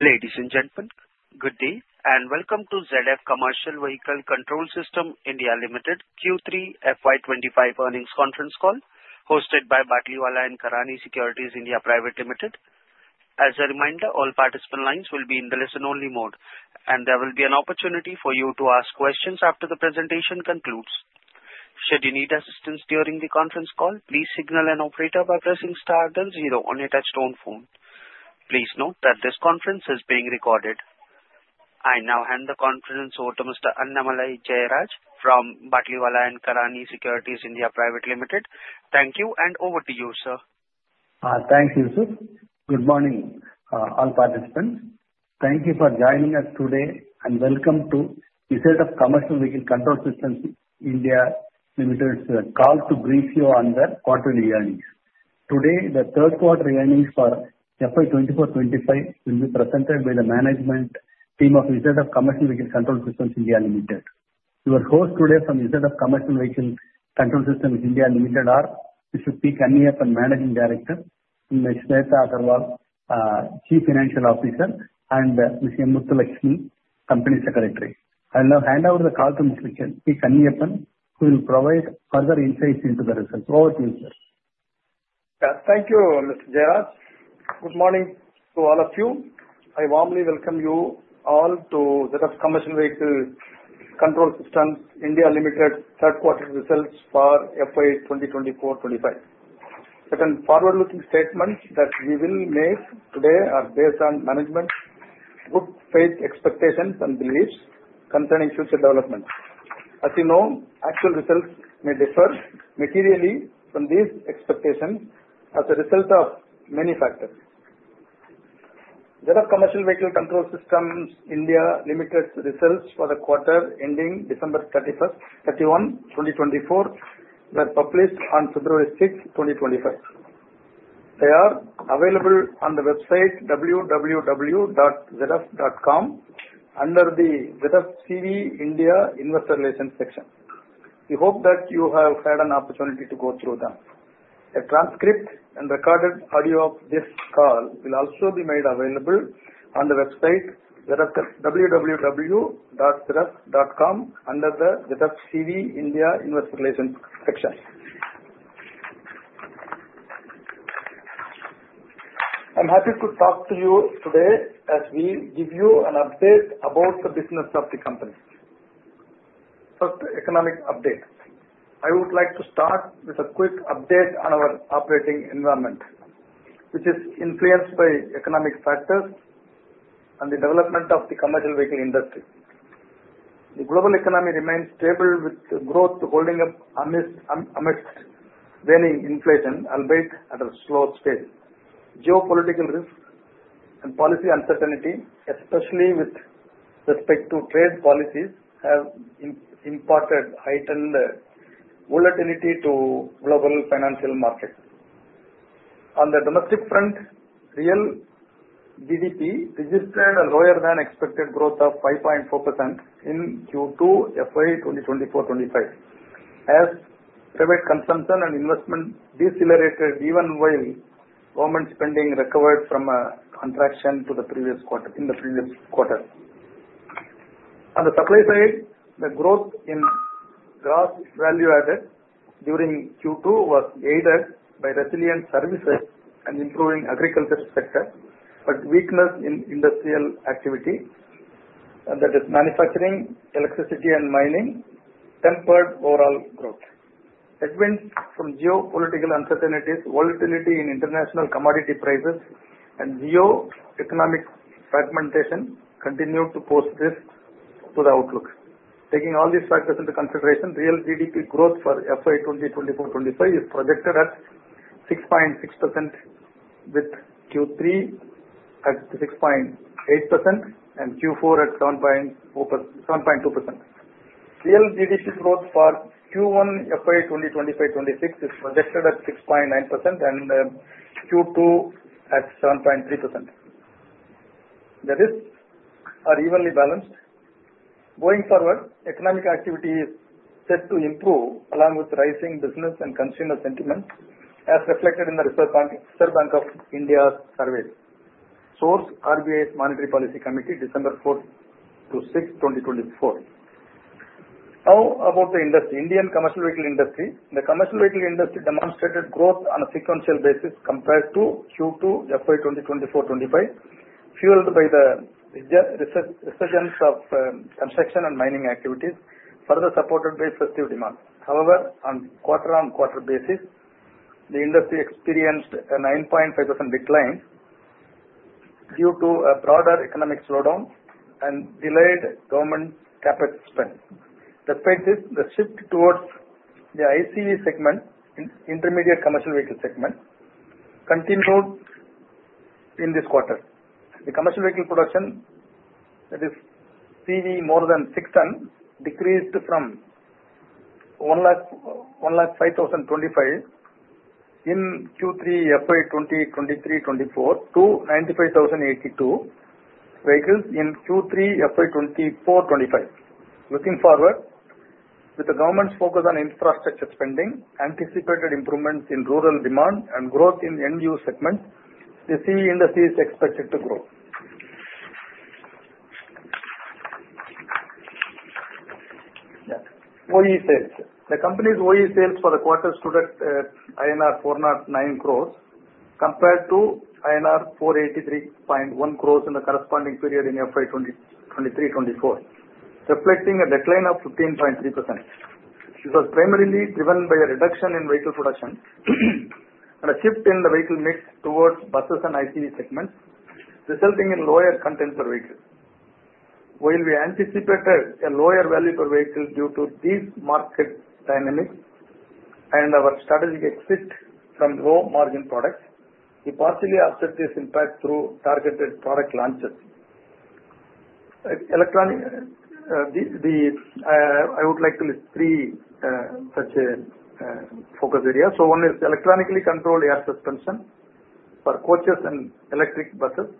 Ladies and gentlemen, good day and welcome to ZF Commercial Vehicle Control Systems India Limited Q3 FY25 earnings conference call, hosted by Batlivala & Karani Securities India Pvt. Ltd. As a reminder, all participant lines will be in the listen-only mode, and there will be an opportunity for you to ask questions after the presentation concludes. Should you need assistance during the conference call, please signal an operator by pressing star +0 on your touch-tone phone. Please note that this conference is being recorded. I now hand the conference over to Mr. Annamalai Jayaraj from Batlivala & Karani Securities India Pvt. Ltd. Thank you, and over to you, sir. Thank you, sir. Good morning, all participants. Thank you for joining us today, and welcome to the ZF Commercial Vehicle Control Systems India Limited's call to brief you on the quarterly earnings. Today, the third quarter earnings for FY24-25 will be presented by the management team of ZF Commercial Vehicle Control Systems India Limited. Our hosts today from ZF Commercial Vehicle Control Systems India Limited are Mr. P. Kaniappan, Managing Director, Ms. Shwetha Agarwal, Chief Financial Officer, and Ms. Muthulakshmi, Company Secretary. I will now hand over the call to Mr. P. Kaniappan, who will provide further insights into the results. Over to you, sir. Thank you, Mr. Jayaraj. Good morning to all of you. I warmly welcome you all to ZF Commercial Vehicle Control Systems India Limited's third quarter results for FY24-25. Certain forward-looking statements that we will make today are based on management's good faith expectations and beliefs concerning future developments. As you know, actual results may differ materially from these expectations as a result of many factors. ZF Commercial Vehicle Control Systems India Limited's results for the quarter ending December 31, 2024, were published on February 6, 2025. They are available on the website www.zf.com under the ZF CV India Investor Relations section. We hope that you have had an opportunity to go through them. A transcript and recorded audio of this call will also be made available on the website www.zf.com under the ZF CV India Investor Relations section. I'm happy to talk to you today as we give you an update about the business of the company. First, economic update. I would like to start with a quick update on our operating environment, which is influenced by economic factors and the development of the commercial vehicle industry. The global economy remains stable, with growth holding up amidst varying inflation, albeit at a slow pace. Geopolitical risks and policy uncertainty, especially with respect to trade policies, have imparted heightened volatility to global financial markets. On the domestic front, real GDP registered a lower-than-expected growth of 5.4% in Q2 FY 2024-25, as private consumption and investment decelerated even while government spending recovered from a contraction in the previous quarter. On the supply side, the growth in gross value added during Q2 was aided by resilient services and improving agriculture sector, but weakness in industrial activity, that is, manufacturing, electricity, and mining, tempered overall growth. Stems from geopolitical uncertainties, volatility in international commodity prices, and geo-economic fragmentation continued to pose risks to the outlook. Taking all these factors into consideration, real GDP growth for FY 2024-25 is projected at 6.6%, with Q3 at 6.8% and Q4 at 7.2%. Real GDP growth for Q1 FY 2025-26 is projected at 6.9%, and Q2 at 7.3%. The risks are evenly balanced. Going forward, economic activity is set to improve along with rising business and consumer sentiment, as reflected in the Reserve Bank of India survey, sourced from RBI Monetary Policy Committee, December 4 to 6, 2024. Now, about the industry, Indian commercial vehicle industry. The commercial vehicle industry demonstrated growth on a sequential basis compared to Q2 FY 2024-25, fueled by the resurgence of construction and mining activities, further supported by festive demand. However, on quarter-on-quarter basis, the industry experienced a 9.5% decline due to a broader economic slowdown and delayed government CapEx spend. Despite this, the shift towards the ICV segment, intermediate commercial vehicle segment, continued in this quarter. The commercial vehicle production, that is, CV more than 6 tons, decreased from 105,025 in Q3 FY 2023-24 to 95,082 vehicles in Q3 FY 2024-25. Looking forward, with the government's focus on infrastructure spending, anticipated improvements in rural demand, and growth in end-use segment, the CV industry is expected to grow. OE sales. The company's OE sales for the quarter stood at INR 409 crores compared to INR 483.1 crores in the corresponding period in FY 2023-24, reflecting a decline of 15.3%. This was primarily driven by a reduction in vehicle production and a shift in the vehicle mix towards buses and ICV segments, resulting in lower contents per vehicle. While we anticipated a lower value per vehicle due to these market dynamics and our strategic exit from low-margin products, we partially absorbed this impact through targeted product launches. I would like to list three such focus areas. So one is electronically controlled air suspension for coaches and electric buses,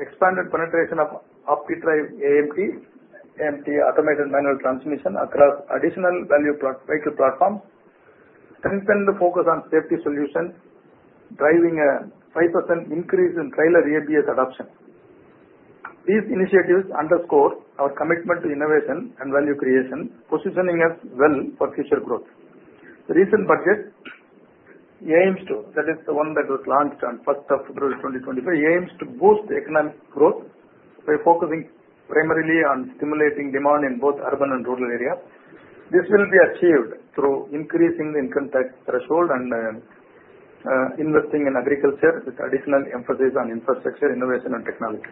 expanded penetration of upOptiDrive AMT keep drive AMT, AMT automated manual transmission across additional vehicle platforms, and focus on safety solutions, driving a 5% increase in trailer ABS adoption. These initiatives underscore our commitment to innovation and value creation, positioning us well for future growth. The recent budget aims to, that is, the one that was launched on 1st of February 2025, aims to boost economic growth by focusing primarily on stimulating demand in both urban and rural areas. This will be achieved through increasing the income tax threshold and investing in agriculture, with additional emphasis on infrastructure, innovation, and technology.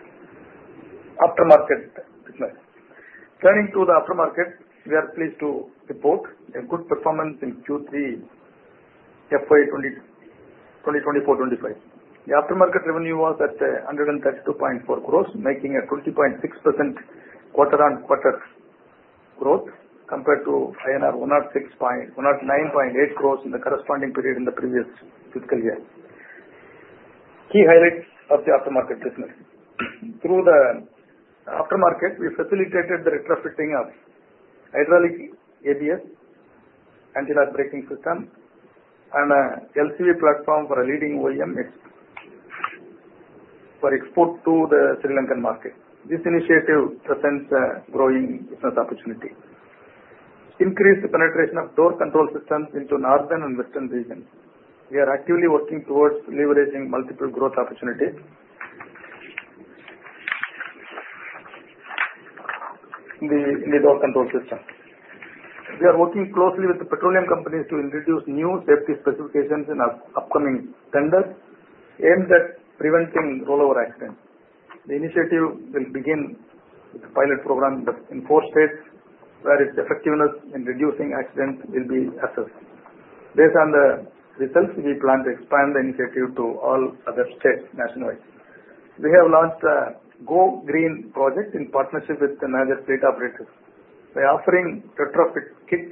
Aftermarket business. Turning to the aftermarket, we are pleased to report a good performance in Q3 FY 2024-25. The aftermarket revenue was at 132.4 crores, making a 20.6% quarter-on-quarter growth compared to INR 109.8 crores in the corresponding period in the previous fiscal year. Key highlights of the aftermarket business. Through the aftermarket, we facilitated the retrofitting of hydraulic ABS, anti-lock braking system, and an LCV platform for a leading OEM for export to the Sri Lankan market. This initiative presents a growing business opportunity. Increased penetration of door control systems into northern and western regions. We are actively working towards leveraging multiple growth opportunities in the door control system. We are working closely with the petroleum companies to introduce new safety specifications in our upcoming tender, aimed at preventing rollover accidents. The initiative will begin with a pilot program in four states where its effectiveness in reducing accidents will be assessed. Based on the results, we plan to expand the initiative to all other states nationwide. We have launched a Go Green project in partnership with another state operator. By offering retrofit kits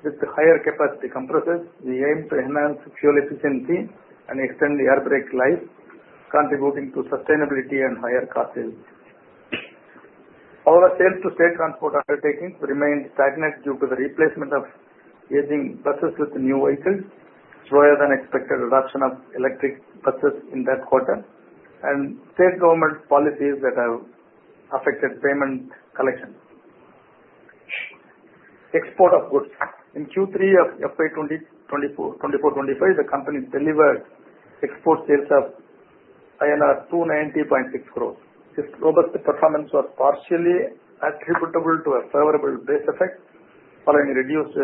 with higher capacity compressors, we aim to enhance fuel efficiency and extend the air brake life, contributing to sustainability and higher cost savings. sales to state transport undertakings remained stagnant due to the replacement of aging buses with new vehicles, lower-than-expected reduction of electric buses in that quarter, and state government policies that have affected payment collection. Export of goods. In Q3 of FY 2024-25, the company delivered export sales of INR 290.6 crores. This robust performance was partially attributable to a favorable base effect following reduced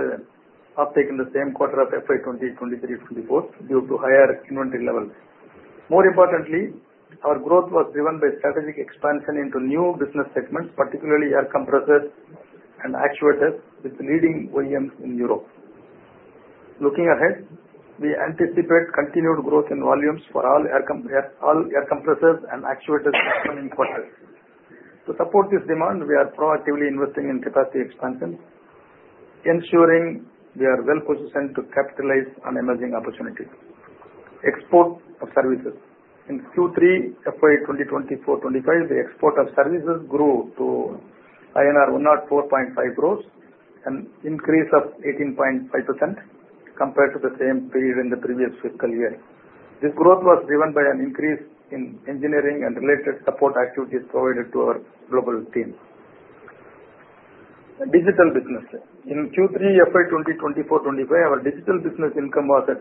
uptake in the same quarter of FY 2023-24 due to higher inventory levels. More importantly, our growth was driven by strategic expansion into new business segments, particularly air compressors and actuators, with leading OEMs in Europe. Looking ahead, we anticipate continued growth in volumes for all air compressors and actuators in coming quarters. To support this demand, we are proactively investing in capacity expansion, ensuring we are well-positioned to capitalize on emerging opportunities. Export of services. In Q3 FY 2024-25, the export of services grew to INR 104.5 crores, an increase of 18.5% compared to the same period in the previous fiscal year. This growth was driven by an increase in engineering and related support activities provided to our global team. Digital business. In Q3 FY 2024-25, our digital business income was at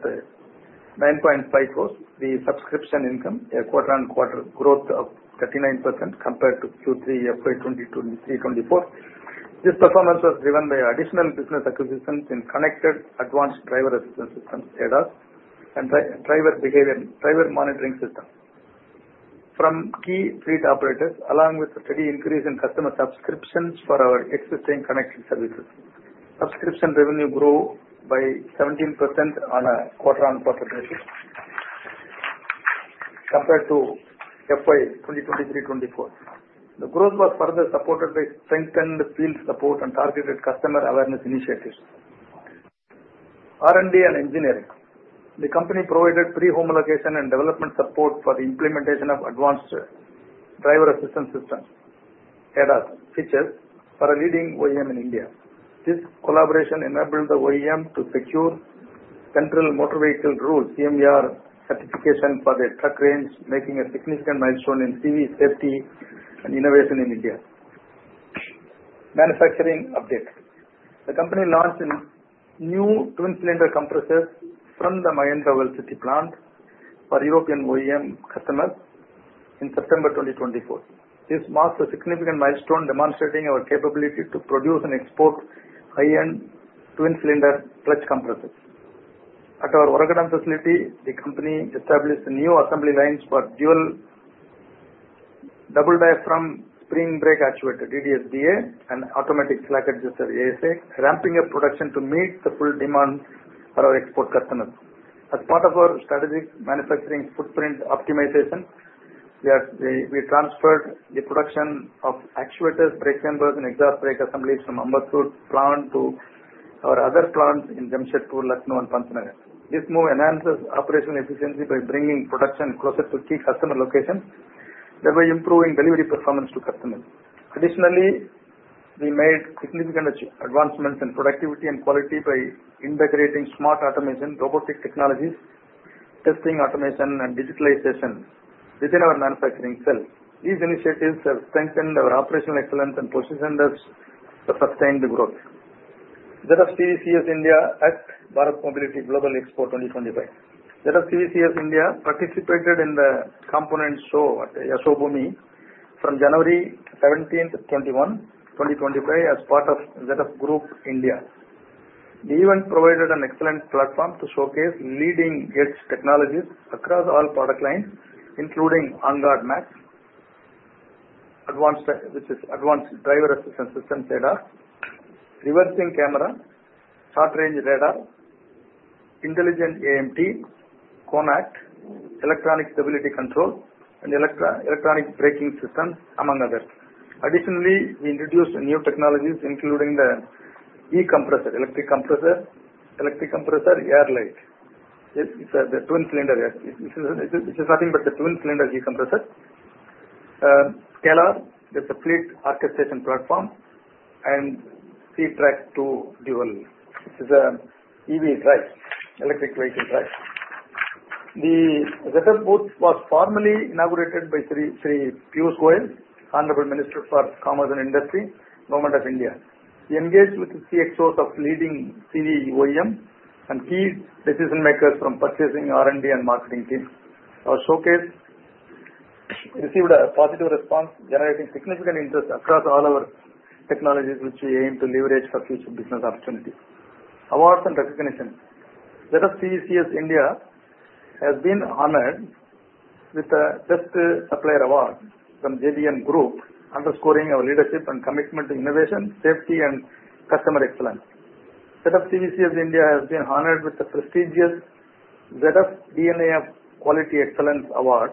9.5 crores, the subscription income, a quarter-on-quarter growth of 39% compared to Q3 FY 2023-24. This performance was driven by additional business acquisitions in connected advanced driver assistance systems, ADAS, and driver behavior monitoring systems from key fleet operators, along with a steady increase in customer subscriptions for our existing connected services. Subscription revenue grew by 17% on a quarter-on-quarter basis compared to FY 2023-24. The growth was further supported by strengthened field support and targeted customer awareness initiatives. R&D and engineering. The company provided pre-homologation and development support for the implementation of advanced driver assistance systems, ADAS, features for a leading OEM in India. This collaboration enabled the OEM to secure central motor vehicle rules, CMVR certification for their truck range, marking a significant milestone in CV safety and innovation in India. Manufacturing update. The company launched new twin-cylinder compressors from the Mahindra World City plant for European OEM customers in September 2024. This marks a significant milestone demonstrating our capability to produce and export high-end twin-cylinder clutch compressors. At our Oragadam facility, the company established new assembly lines for dual double diaphragm spring brake actuator, DDSBA, and automatic slack adjuster ASA, ramping up production to meet the full demand for our export customers. As part of our strategic manufacturing footprint optimization, we transferred the production of actuators, brake chambers, and exhaust brake assemblies from Ambattur plant to our other plants in Jamshedpur, Lucknow, and Pantnagar. This move enhances operational efficiency by bringing production closer to key customer locations that were improving delivery performance to customers. Additionally, we made significant advancements in productivity and quality by integrating smart automation, robotic technologies, testing automation, and digitalization within our manufacturing cells. These initiatives have strengthened our operational excellence and positioned us to sustain the growth. ZF CVCS India at Bharat Mobility Global Expo 2025. ZF CVCS India participated in the component show at Yashobhoomi from January 17-21, 2025 as part of ZF Group India. The event provided an excellent platform to showcase leading-edge technologies across all product lines, including OnGuardMAX, which is advanced driver assistance systems, ADAS, reversing camera, short-range radar, intelligent AMT, ConAct, electronic stability control, and electronic braking systems, among others. Additionally, we introduced new technologies, including the E-compressor, electric compressor, uncertain It's a twin-cylinder, which is nothing but a twin-cylinder E-compressor, SCALAR, that's a fleet orchestration platform, and CeTrax, which is an EV drive, electric vehicle drive. The ZF booth was formally inaugurated by Sri Piyush Goyal, Honorable Minister for Commerce and Industry, Government of India. We engaged with the CXOs of leading CV OEM and key decision-makers from purchasing, R&D, and marketing teams. Our showcase received a positive response, generating significant interest across all our technologies, which we aim to leverage for future business opportunities. Awards and recognition. ZF CVCS India has been honored with the Best Supplier Award from JBM Group, underscoring our leadership and commitment to innovation, safety, and customer excellence. ZF CVCS India has been honored with the prestigious ZF DNDNA ofAF Quality Excellence Award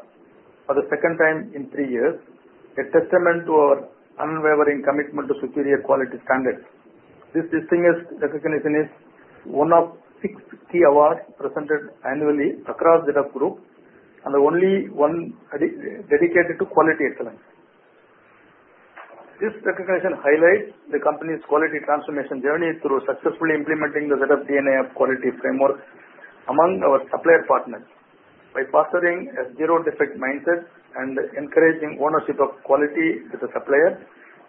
for the second time in three years, a testament to our unwavering commitment to superior quality standards. This distinguished recognition is one of six key awards presented annually across ZF Group, and the only one dedicated to quality excellence. This recognition highlights the company's quality transformation journey through successfully implementing the ZF DNDNA of AF quality framework among our supplier partners. By fostering a zero-defect mindset and encouraging ownership of quality with the supplier,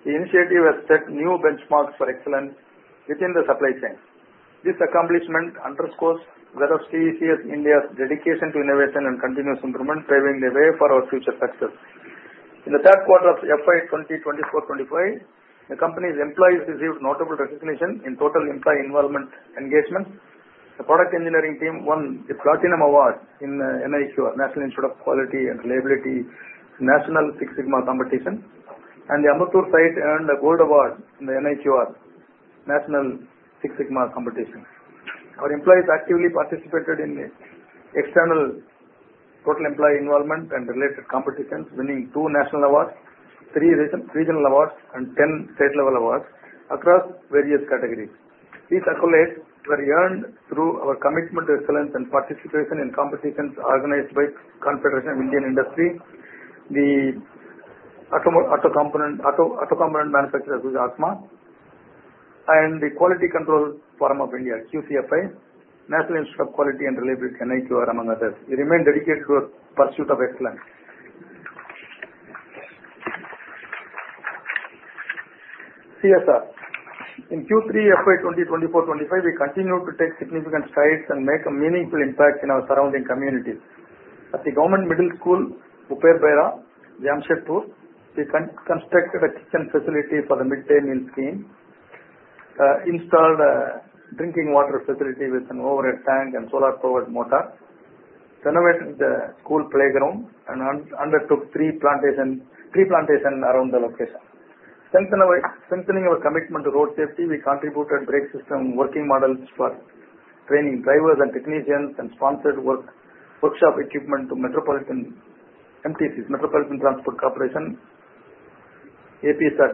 the initiative has set new benchmarks for excellence within the supply chain. This accomplishment underscores ZF CVCS India's dedication to innovation and continuous improvement, paving the way for our future success. In the third quarter of FY 2024-25, the company's employees received notable recognition in total employee involvement engagements. The product engineering team won the Platinum Award in the NIQR, National Institute of Quality and Reliability, National Six Sigma Competition, and the Ambattur site earned a Gold Award in the NIQR, National Six Sigma Competition. Our employees actively participated in external total employee involvement and related competitions, winning two national awards, three regional awards, and ten state-level awards across various categories. These accolades were earned through our commitment to excellence and participation in competitions organized by the Confederation of Indian Industry, the Automotive Component Manufacturers Association of India, and the Quality Circle Forum of India, QCFI, National Institute of Quality and Reliability, NIQR, among others. We remain dedicated to our pursuit of excellence. CSR. In Q3 FY 2024-25, we continued to take significant strides and make a meaningful impact in our surrounding communities. At the government middle school, Bhupe Bagbera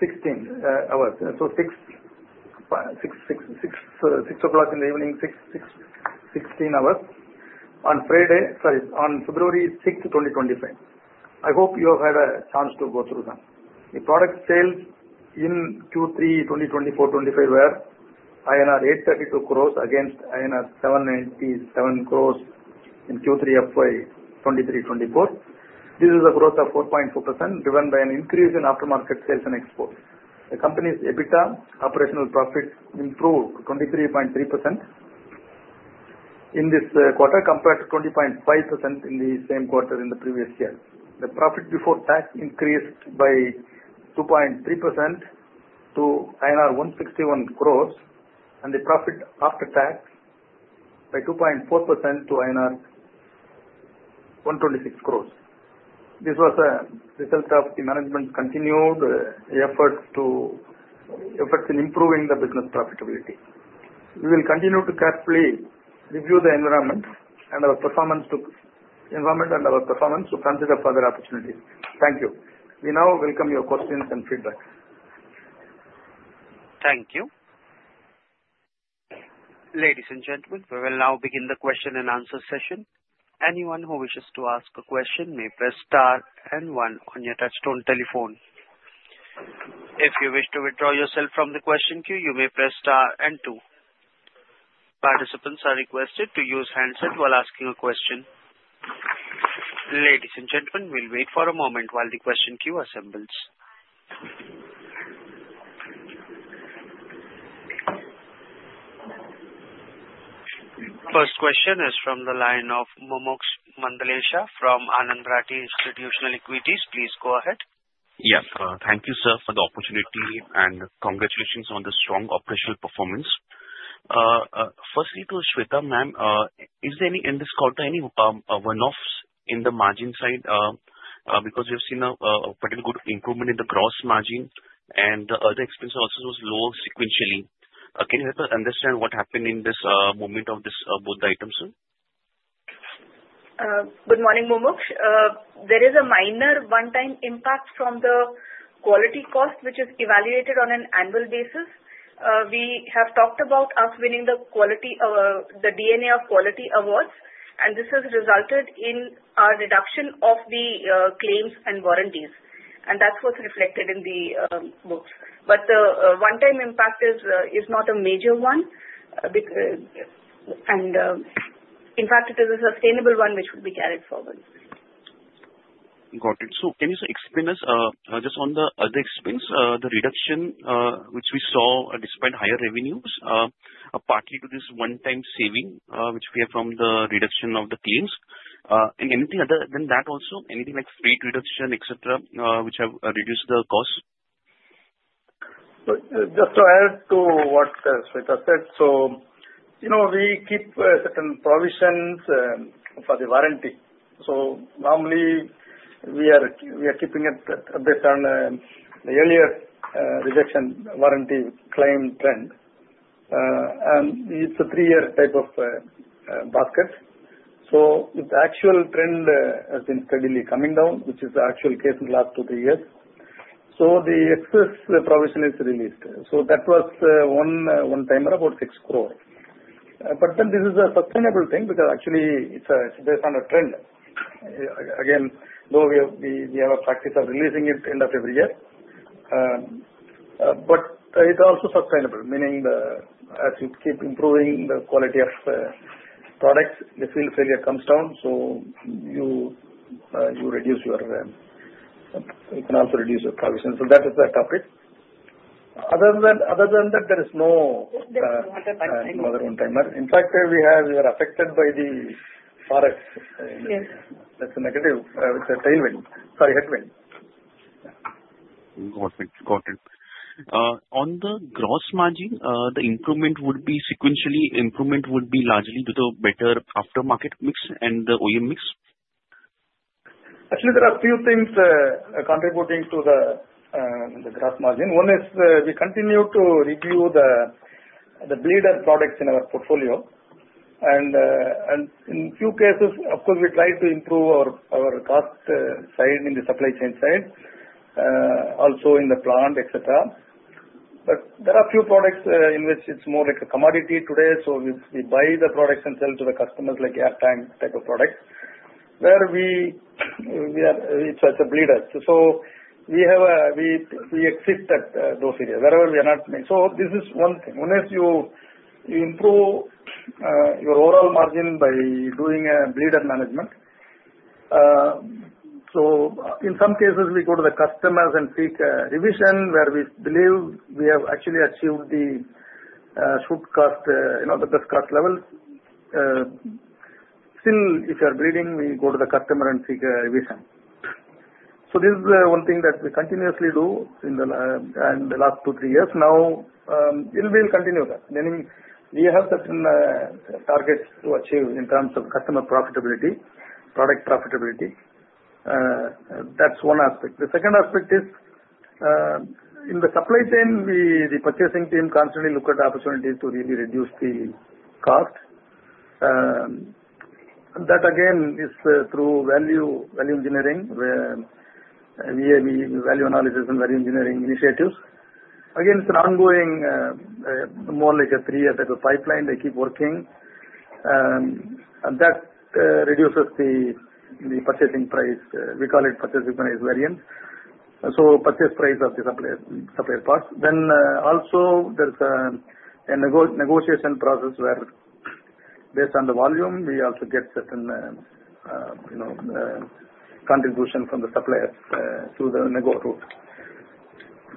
The product sales in Q3 2024-25 were 832 crores INR against INR 797 crores in Q3 FY 2023-24. This is a growth of 4.4% driven by an increase in aftermarket sales and exports. The company's EBITDA operational profit improved to 23.3% in this quarter compared to 20.5% in the same quarter in the previous year. The profit before tax increased by 2.3% to INR 161 crores, and the profit after tax by 2.4% to INR 126 crores. This was a result of the management's continued efforts in improving the business profitability. We will continue to carefully review the environment and our performance to consider further opportunities. Thank you. We now welcome your questions and feedback. Thank you. Ladies and gentlemen, we will now begin the question and answer session. Anyone who wishes to ask a question may press star and one on your touch-tone telephone. If you wish to withdraw yourself from the question queue, you may press star and two. Participants are requested to use handsets while asking a question. Ladies and gentlemen, we'll wait for a moment while the question queue assembles. First question is from the line of Mumuksh Mandlesha from Anand Rathi Institutional Equities. Please go ahead. Yes. Thank you, sir, for the opportunity, and congratulations on the strong operational performance. Firstly, to Shwetha ma'am, is there any in this quarter, any one-offs in the margin side? Because we have seen a particular good improvement in the gross margin, and the other expense also was low sequentially. Can you help us understand what happened in this moment of both the items? Good morning, Mumuksh. There is a minor one-time impact from the quality cost, which is evaluated on an annual basis. We have talked about us winning the DNA of Quality Awards, and this has resulted in our reduction of the claims and warranties, and that's what's reflected in the books, but the one-time impact is not a major one, and in fact, it is a sustainable one, which will be carried forward. Got it, so can you explain us just on the other expense, the reduction which we saw despite higher revenues, partly to this one-time saving which we have from the reduction of the claims, and anything other than that also? Anything like freight reduction, etc., which have reduced the cost? Just to add to what Shwetha said, so we keep certain provisions for the warranty, so normally, we are keeping it based on the earlier reduction warranty claim trend, and it's a three-year type of basket. So the actual trend has been steadily coming down, which is the actual case in the last two to three years. So the excess provision is released. So that was one-timer, about six crores. But then this is a sustainable thing because actually, it's based on a trend. Again, though we have a practice of releasing it at the end of every year. But it's also sustainable, meaning as you keep improving the quality of products, the field failure comes down, so you reduce your you can also reduce your provision. So that is the topic. Other than that, there is no other one-timer. In fact, we are affected by the forex. That's a negative. It's a tailwind. Sorry, headwind. Got it. Got it. On the gross margin, the improvement would be sequentially largely due to better aftermarket mix and the OEM mix? Actually, there are a few things contributing to the gross margin. One is we continue to review the bleeder products in our portfolio. And in a few cases, of course, we try to improve our cost side in the supply chain side, also in the plant, etc. But there are a few products in which it's more like a commodity today. So we buy the products and sell to the customers like air tank type of products, where it's a bleeder. So we exit at those areas. Wherever we are not making so this is one thing. When you improve your overall margin by doing bleeder management, so in some cases, we go to the customers and seek a revision where we believe we have actually achieved the true cost, the best cost level. Still, if you're bleeding, we go to the customer and seek a revision. So this is one thing that we continuously do in the last two, three years. Now, we'll continue that. Meaning, we have certain targets to achieve in terms of customer profitability, product profitability. That's one aspect. The second aspect is in the supply chain, the purchasing team constantly look at opportunities to really reduce the cost. That, again, is through value engineering, value analysis, and value engineering initiatives. Again, it's an ongoing, more like a three-year type of pipeline. They keep working. That reduces the purchasing price. We call it purchase price variance. So purchase price of the supplier parts. Then also, there's a negotiation process where, based on the volume, we also get certain contribution from the suppliers through the nego route.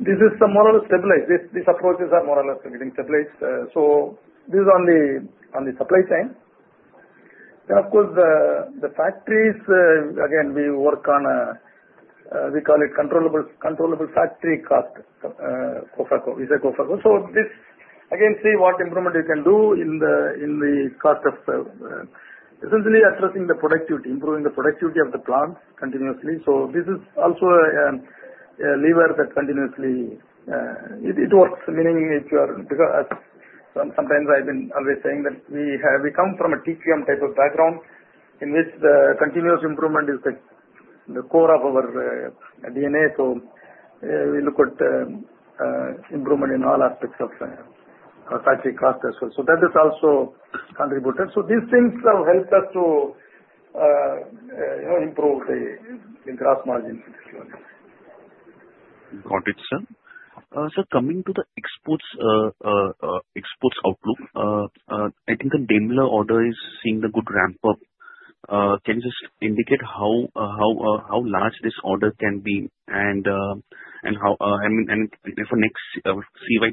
This is more or less stabilized. These approaches are more or less getting stabilized. So this is on the supply chain. Of course, the factories, again, we work on what we call controllable factory cost, COFACO. We say COFACO. So again, see what improvement you can do in the cost of essentially addressing the productivity, improving the productivity of the plants continuously. So this is also a lever that continuously it works, meaning if you are sometimes I've been always saying that we come from a TQM type of background in which the continuous improvement is the core of our DNA. So we look at improvement in all aspects of factory cost as well. So that has also contributed. So these things have helped us to improve the gross margins. Got it, sir. So coming to the exports outlook, I think the Daimler order is seeing a good ramp up. Can you just indicate how large this order can be and how I mean, for next CY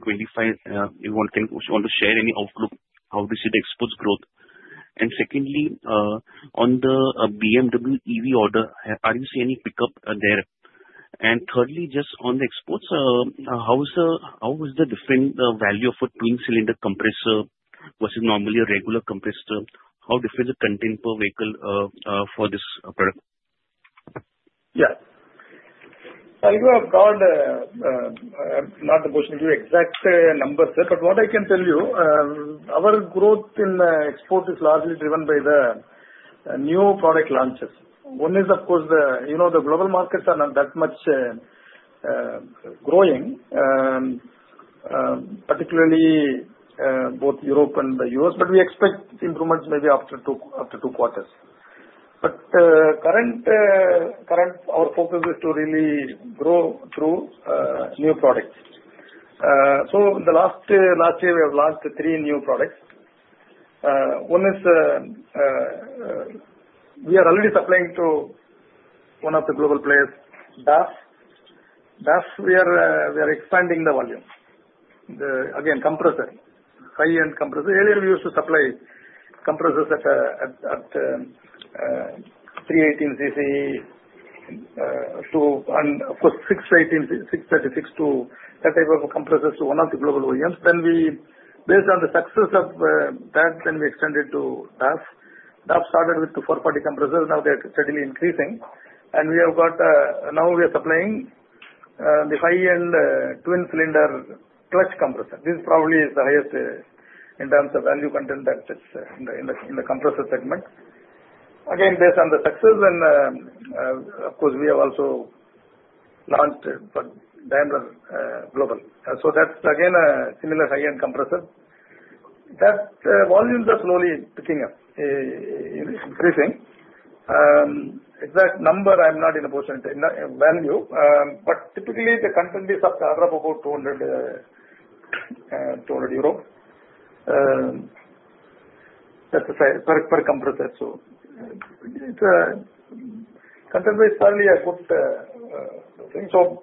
25, if you want to share any outlook, how do you see the exports growth? And secondly, on the BMW EV order, are you seeing any pickup there? And thirdly, just on the exports, how is the different value of a twin-cylinder compressor versus normally a regular compressor? How different is the content per vehicle for this product? Yes. I do not have the mandate to give exact numbers, but what I can tell you, our growth in export is largely driven by the new product launches. One is, of course, the global markets are not that much growing, particularly both Europe and the US. But we expect improvements maybe after two quarters. But currently, our focus is to really grow through new products. In the last year, we have launched three new products. One is we are already supplying to one of the global players, DAF. DAF, we are expanding the volume. Again, compressor, high-end compressor. Earlier, we used to supply compressors at 318 cc to, of course, 636 to that type of compressors to one of the global OEMs. Then we, based on the success of that, then we extended to DAF. DAF started with the 440 compressors. Now they are steadily increasing. And we have got now we are supplying the high-end twin-cylinder clutch compressor. This probably is the highest in terms of value content in the compressor segment. Again, based on the success, and of course, we have also launched Daimler Global. So that's again a similar high-end compressor. That volumes are slowly picking up, increasing. Exact number, I'm not in a position to value. But typically, the content is around about 200 euro per compressor. So content is probably a good thing. So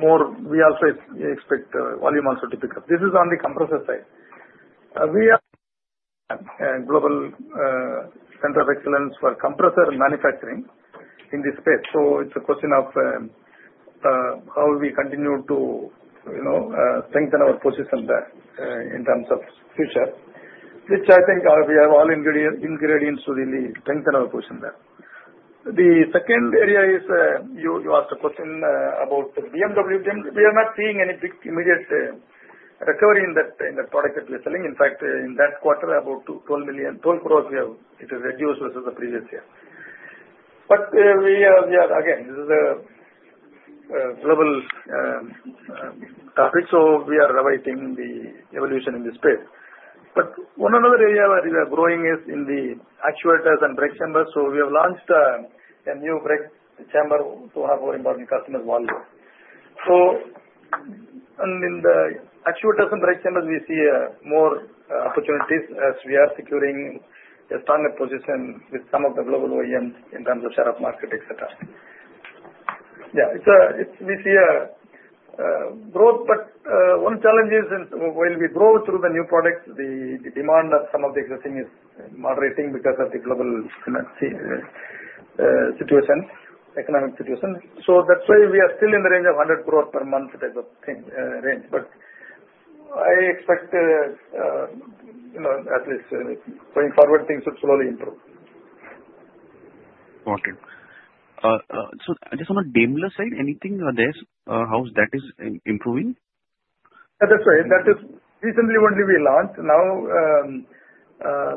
we also expect volume also to pick up. This is on the compressor side. We are a global center of excellence for compressor manufacturing in this space. So it's a question of how we continue to strengthen our position there in terms of future, which I think we have all ingredients to really strengthen our position there. The second area is you asked a question about BMW. We are not seeing any big immediate recovery in the product that we are selling. In fact, in that quarter, about 12 crores, it has reduced versus the previous year. But again, this is a global topic. So we are awaiting the evolution in this space. But one other area where we are growing is in the actuators and brake chambers. We have launched a new brake chamber to one of our important customers, Volvo. In the actuators and brake chambers, we see more opportunities as we are securing a stronger position with some of the global OEMs in terms of share of market, etc. Yeah. We see growth, but one challenge is while we grow through the new products, the demand of some of the existing is moderating because of the global situation, economic situation. That's why we are still in the range of 100 crores per month type of range. I expect at least going forward, things would slowly improve. Got it. Just on the Daimler side, anything there that is improving? That's right. That is recently only we launched. Now,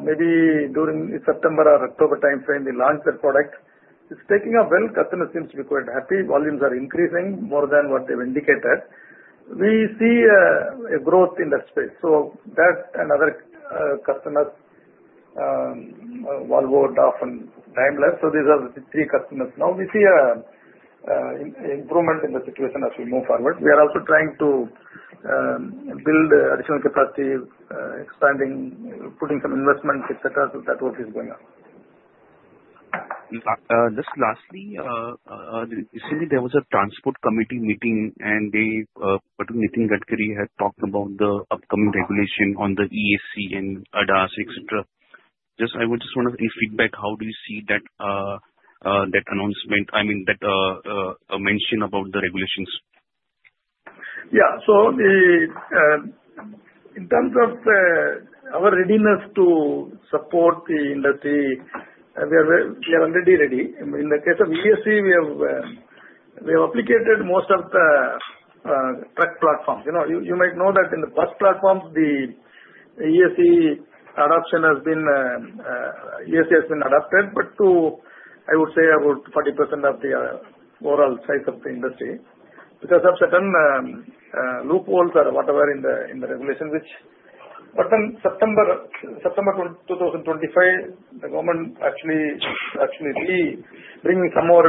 maybe during September or October time frame, they launched their product. It's taking up well. Customers seem to be quite happy. Volumes are increasing more than what they've indicated. We see a growth in the space. So that's another customer, Volvo, DAF, and Daimler. So these are the three customers now. We see improvement in the situation as we move forward. We are also trying to build additional capacity, expanding, putting some investment, etc. So that work is going on. Just lastly, recently, there was a transport committee meeting, and Dr. Nitin Gadkari had talked about the upcoming regulation on the ESC and ADAS, etc. Just I would just want to get your feedback. How do you see that announcement, I mean, that mention about the regulations? Yeah. So in terms of our readiness to support the industry, we are already ready. In the case of ESC You might know that in the bus platforms, the ESC adoption has been adopted, but I would say about 40% of the overall size of the industry because of certain loopholes or whatever in the regulation, but then September 2025, the government actually is bringing some more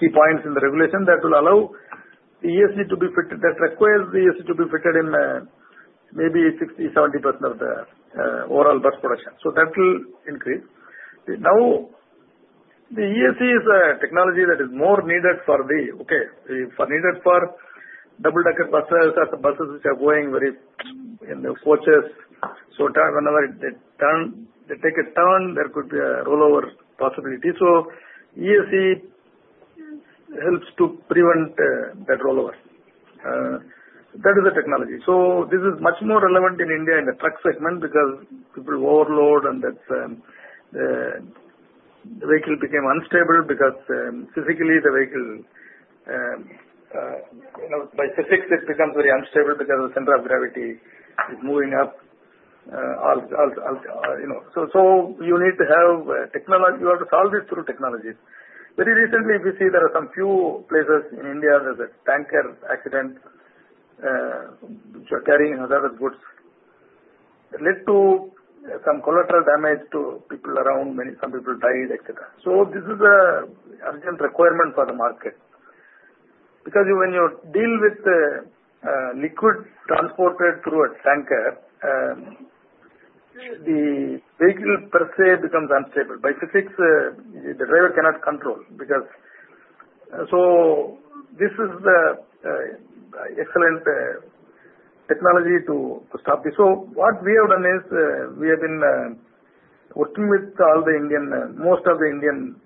key points in the regulation that will allow ESC to be fitted that requires the ESC to be fitted in maybe 60%-70% of the overall bus production. That will increase. Now, the ESC is a technology that is more needed for double-decker buses, needed for buses which are going very in the coaches. Whenever they take a turn, there could be a rollover possibility. ESC helps to prevent that rollover. That is the technology. So this is much more relevant in India in the truck segment because people overload, and the vehicle became unstable because physically, the vehicle by physics, it becomes very unstable because the center of gravity is moving up. So you need to have technology. You have to solve it through technology. Very recently, we see there are some few places in India where there's a tanker accident which are carrying hazardous goods. It led to some collateral damage to people around. Some people died, etc. So this is an urgent requirement for the market because when you deal with liquid transported through a tanker, the vehicle per se becomes unstable. By physics, the driver cannot control because so this is an excellent technology to stop this. What we have done is we have been working with all the Indian, most of the Indian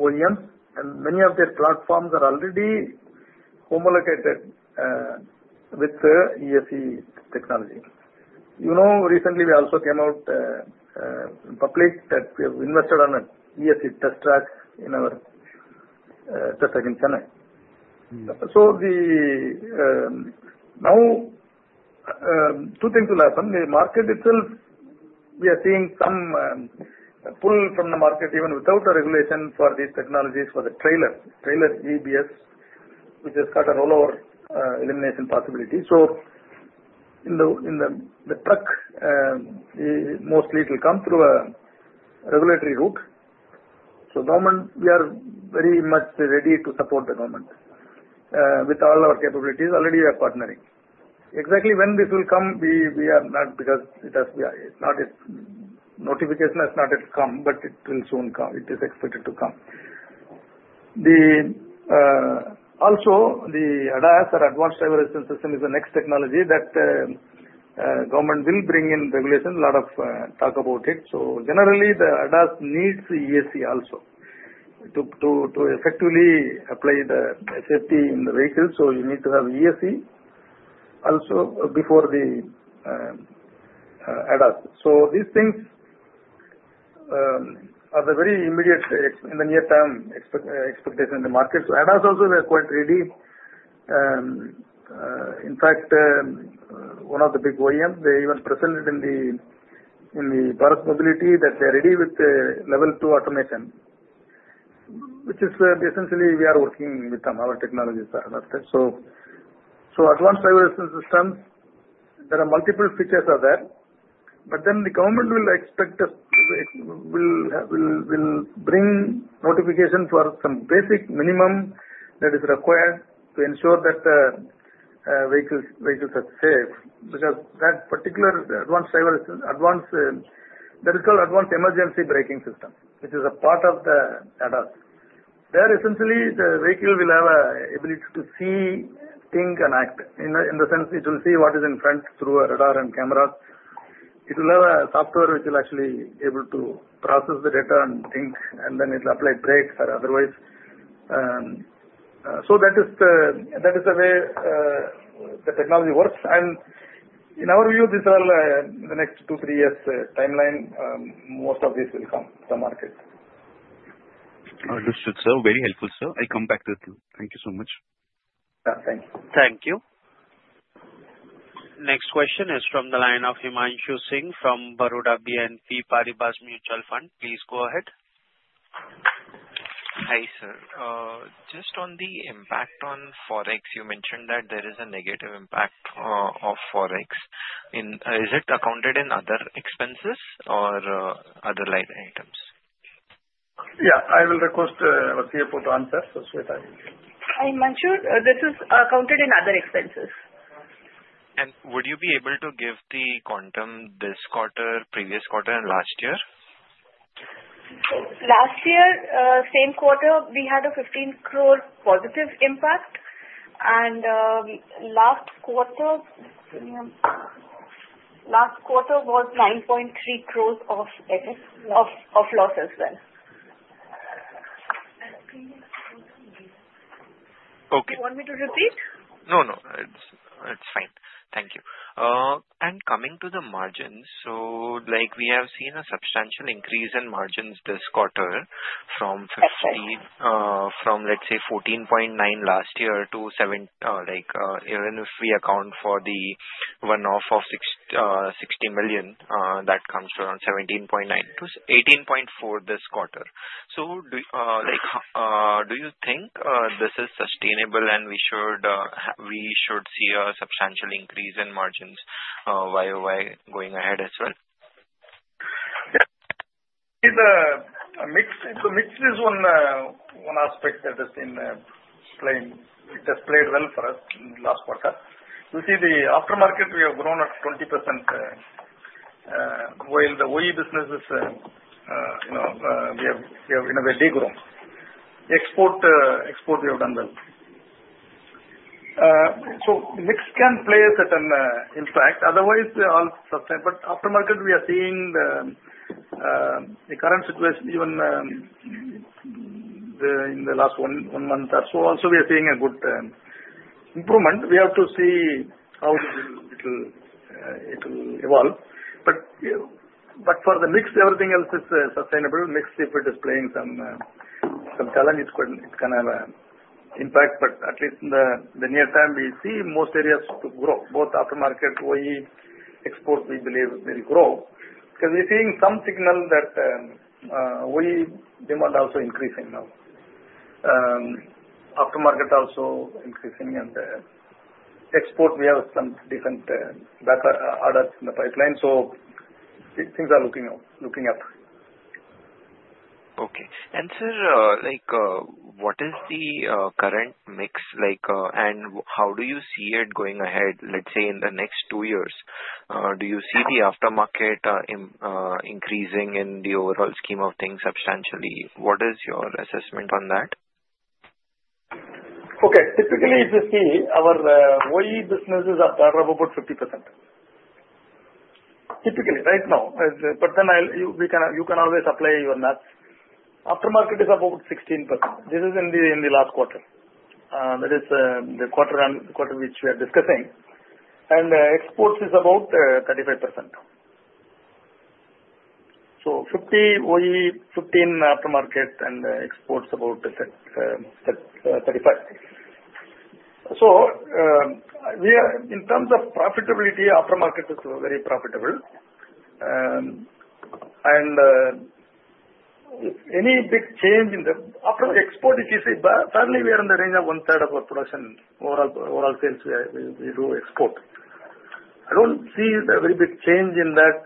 OEMs, and many of their platforms are already homologated with ESC technology. Recently, we also came out public that we have invested in an ESC test track in our test track in Chennai. Now, two things to learn. The market itself, we are seeing some pull from the market even without a regulation for these technologies for the trailer EBS, which has got a rollover elimination possibility. In the truck, mostly, it will come through a regulatory route. We are very much ready to support the government with all our capabilities. Already, we are partnering. Exactly when this will come, we are not because the notification has not yet come, but it will soon come. It is expected to come. Also, the ADAS or Advanced Driver Assistance System is the next technology that the government will bring in regulation. A lot of talk about it. Generally, the ADAS needs ESC also to effectively apply the safety in the vehicles. You need to have ESC also before the ADAS. These things are the very immediate in the near-term expectation in the market. ADAS also they are quite ready. In fact, one of the big OEMs, they even presented in the Bharat Mobility that they are ready with level two automation, which is essentially we are working with them, our technologies are adapted. Advanced driver assistance systems, there are multiple features of that. But then the government will expect us will bring notification for some basic minimum that is required to ensure that vehicles are safe because that particular advanced driver assistance. There is called advanced emergency braking system, which is a part of the ADAS. There, essentially, the vehicle will have an ability to see, think, and act. In the sense, it will see what is in front through radar and cameras. It will have software which will actually be able to process the data and think, and then it will apply brakes or otherwise. So that is the way the technology works. And in our view, these are in the next two, three years timeline, most of these will come to market. Understood, sir. Very helpful, sir. I'll come back to you. Thank you so much. Thank you. Thank you. Next question is from the line of Himanshu Singh from Baroda BNP Paribas Mutual Fund. Please go ahead. Hi, sir. Just on the impact on Forex, you mentioned that there is a negative impact of Forex. Is it accounted in other expenses or other itemsYeah. I will request Vauncertain Hi, Himanshu. This is accounted in other expenses. And would you be able to give the quantum this quarter, previous quarter, and last year? Last year, same quarter, we had a 15 crore positive impact. And last quarter was 9.3 crores of loss as well. Okay. You want me to repeat? No, no. It's fine. Thank you. Coming to the margins, so we have seen a substantial increase in margins this quarter from, let's say, 14.9% last year to even if we account for the one-off of 60 million, that comes to around 17.9%-18.4% this quarter. So do you think this is sustainable, and we should see a substantial increase in margins while we're going ahead as well? Yeah. The mix is one aspect that has been playing. It has played well for us in the last quarter. You see, the aftermarket, we have grown at 20% while the OE businesses, we have in a way degrown. Export, we have done well. So mix can play a certain impact. Otherwise, all substantial. But aftermarket, we are seeing the current situation, even in the last one month or so, also we are seeing a good improvement. We have to see how it will evolve. But for the mix, everything else is sustainable. Mix, if it is playing some challenge, it can have an impact. But at least in the near term, we see most areas to grow. Both aftermarket, OE, exports, we believe will grow because we're seeing some signal that OE demand also increasing now. Aftermarket also increasing. And export, we have some different orders in the pipeline. So things are looking up. Okay. And sir, what is the current mix? And how do you see it going ahead, let's say, in the next two years? Do you see the aftermarket increasing in the overall scheme of things substantially? What is your assessment on that? Okay. Typically, if you see, our OE businesses are about 50%. Typically, right now. But then you can always apply your math. Aftermarket is about 16%. This is in the last quarter. That is the quarter which we are discussing. And exports is about 35%. So 50 OE, 15 aftermarket, and exports about 35. So in terms of profitability, aftermarket is very profitable. And any big change in the aftermarket export, if you see, currently, we are in the range of one-third of our production, overall sales we do export. I don't see a very big change in that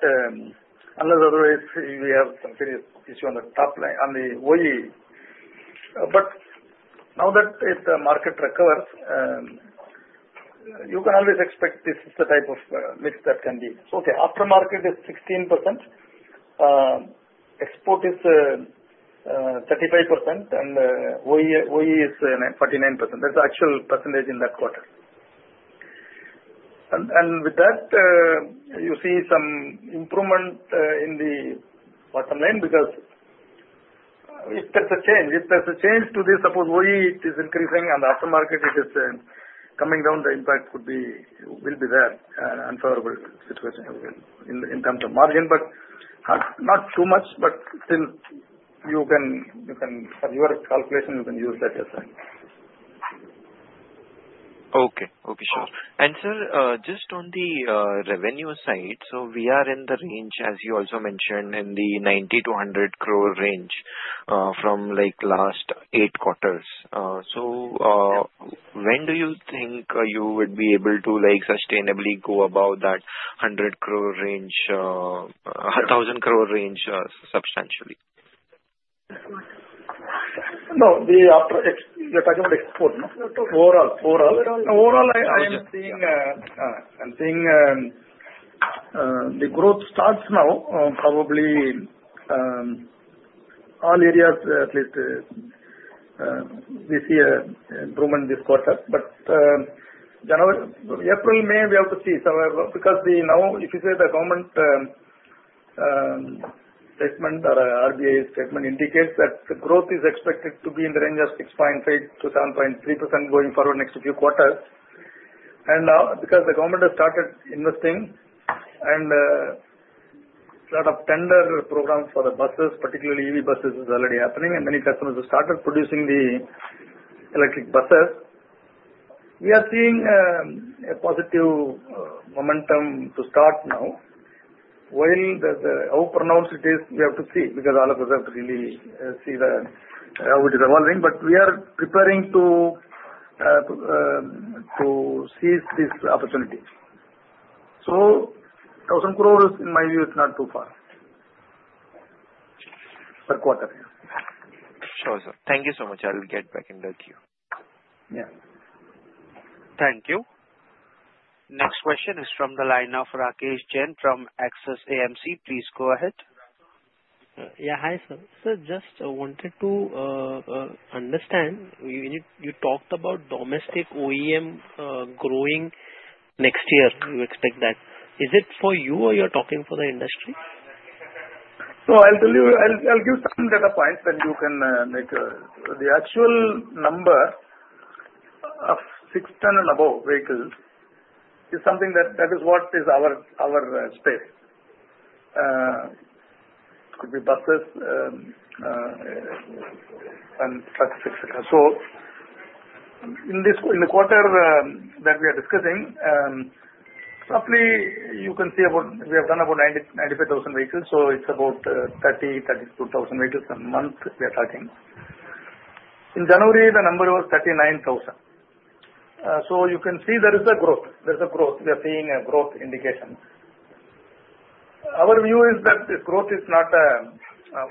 unless otherwise we have some serious issue on the top line, on the OE. But now that the market recovers, you can always expect this is the type of mix that can be. Okay. Aftermarket is 16%. Export is 35%, and OE is 49%. That's the actual percentage in that quarter. And with that, you see some improvement in the bottom line because if there's a change, if there's a change to this, suppose OE, it is increasing, and aftermarket, it is coming down, the impact will be there. Unfavorable situation in terms of margin, but not too much, but still you can, for your calculation, you can use that as well. Okay. Okay. Sure. And sir, just on the revenue side, so we are in the range, as you also mentioned, in the 90 crore-100 crore range from last eight quarters. So when do you think you would be able to sustainably go above that 100 crore range, 1,000 crore range substantially? No. The target export, no? Overall, I am seeing the growth starts now. Probably all areas, at least we see improvement this quarter. But April, May, we have to see. Because now, if you see the government statement or RBI statement indicates that the growth is expected to be in the range of 6.3%-7.3% going forward next few quarters. And because the government has started investing and a lot of tender programs for the buses, particularly EV buses, is already happening, and many customers have started producing the electric buses, we are seeing a positive momentum to start now. While how pronounced it is, we have to see because all of us have to really see how it is evolving. But we are preparing to seize this opportunity. So 1,000 crore is, in my view, it's not too far per quarter. Sure, sir. Thank you so much. I'll get back in touch with you. Yeah. Thank you. Next question is from the line of Rakesh Jain from Axis Asset Management Company. Please go ahead. Yeah. Hi, sir. Sir, just wanted to understand. You talked about domestic OEM growing next year. You expect that. Is it for you or you're talking for the industry? No, I'll tell you. I'll give some data points and you can make the actual number of 6 ton and above vehicles is something that is what is our space. It could be buses and trucks, etc. So in the quarter that we are discussing, roughly you can see we have done about 95,000 vehicles. So it's about 30,000, 32,000 vehicles a month we are talking. In January, the number was 39,000. So you can see there is a growth. There's a growth. We are seeing a growth indication. Our view is that the growth is not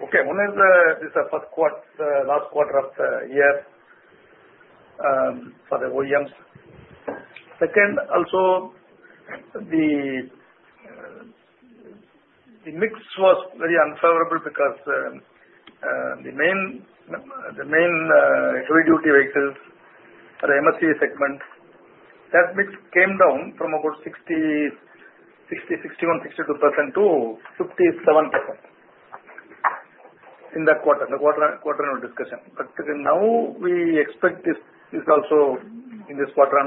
okay. One is this last quarter of the year for the OEMs. Second, also the mix was very unfavorable because the main heavy-duty vehicles or MSC segment, that mix came down from about 60-62% to 57% in that quarter, the quarter of discussion. But now we expect this also in this quarter.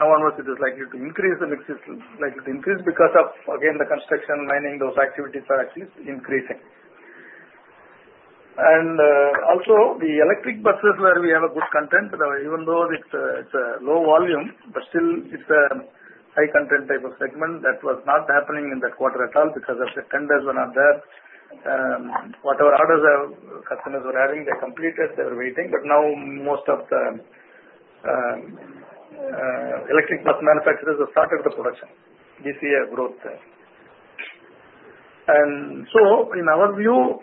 Now, unless it is likely to increase, the mix is likely to increase because of, again, the construction, mining, those activities are actually increasing. And also, the electric buses where we have a good content, even though it's a low volume, but still it's a high content type of segment. That was not happening in that quarter at all because of the tenders were not there. Whatever orders customers were having, they completed, they were waiting. But now most of the electric bus manufacturers have started the production. We see a growth there. In our view,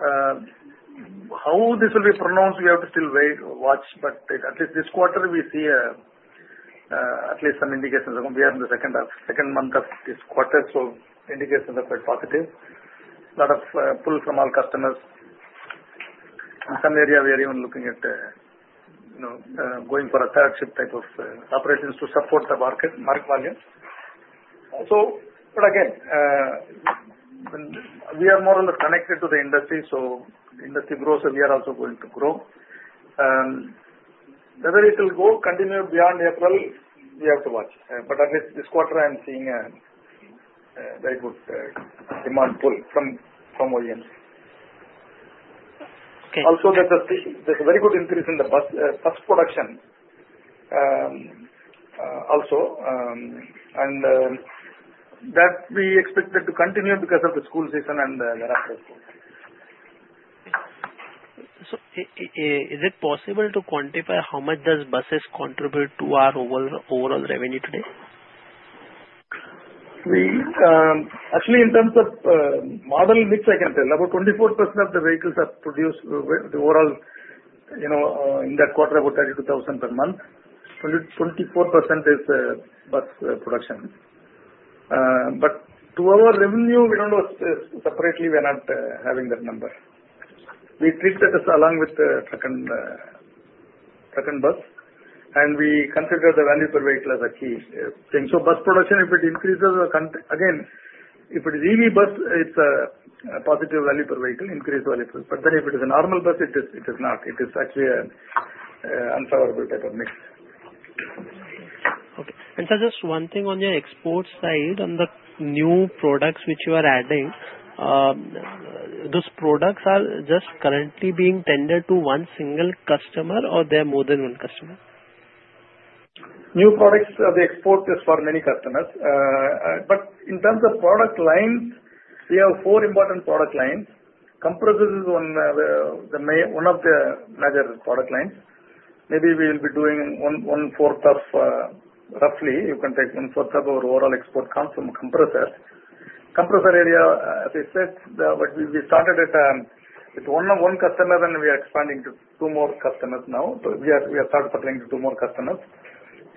how this will pan out, we have to still wait and watch. At least this quarter, we see at least some indications of we are in the second month of this quarter. Indications are quite positive. A lot of pull from all customers. In some areas, we are even looking at going for a third shift type of operations to support the market volume. Again, we are more or less connected to the industry. Industry grows, we are also going to grow. Whether it will continue beyond April, we have to watch. At least this quarter, I'm seeing a very good demand pull from OEMs. Also, there's a very good increase in the bus production. Also, we expect that to continue because of the school season and the rest of the school. So is it possible to quantify how much does buses contribute to our overall revenue today? Actually, in terms of model mix, I can tell about 24% of the vehicles are produced overall in that quarter, about 32,000 per month. 24% is bus production. But to our revenue, we don't know separately, we are not having that number. We treat that as along with truck and bus. And we consider the value per vehicle as a key thing. So bus production, if it increases, again, if it is EV bus, it's a positive value per vehicle, increased value per vehicle. But then if it is a normal bus, it is not. It is actually an unfavorable type of mix. Okay. And sir, just one thing on the export side on the new products which you are adding. Those products are just currently being tendered to one single customer or they are more than one customer? New products, the export is for many customers. But in terms of product lines, we have four important product lines. Compressor is one of the major product lines. Maybe we will be doing one-fourth of roughly. You can take one-fourth of our overall export comes from compressor. Compressor area, as I said, we started with one customer and we are expanding to two more customers now. So we are starting to supply to two more customers.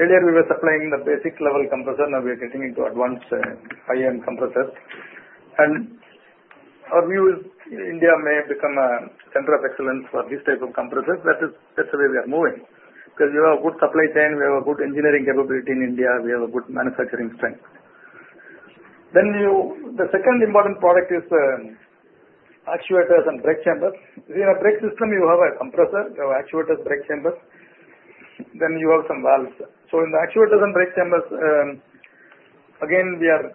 Earlier, we were supplying the basic level compressor. Now we are getting into advanced high-end compressors. And our view is India may become a center of excellence for this type of compressors. That's the way we are moving because we have a good supply chain. We have a good engineering capability in India. We have a good manufacturing strength. Then the second important product is actuators and brake chambers. In a brake system, you have a compressor, you have actuators, brake chambers. Then you have some valves. So in the actuators and brake chambers, again, we are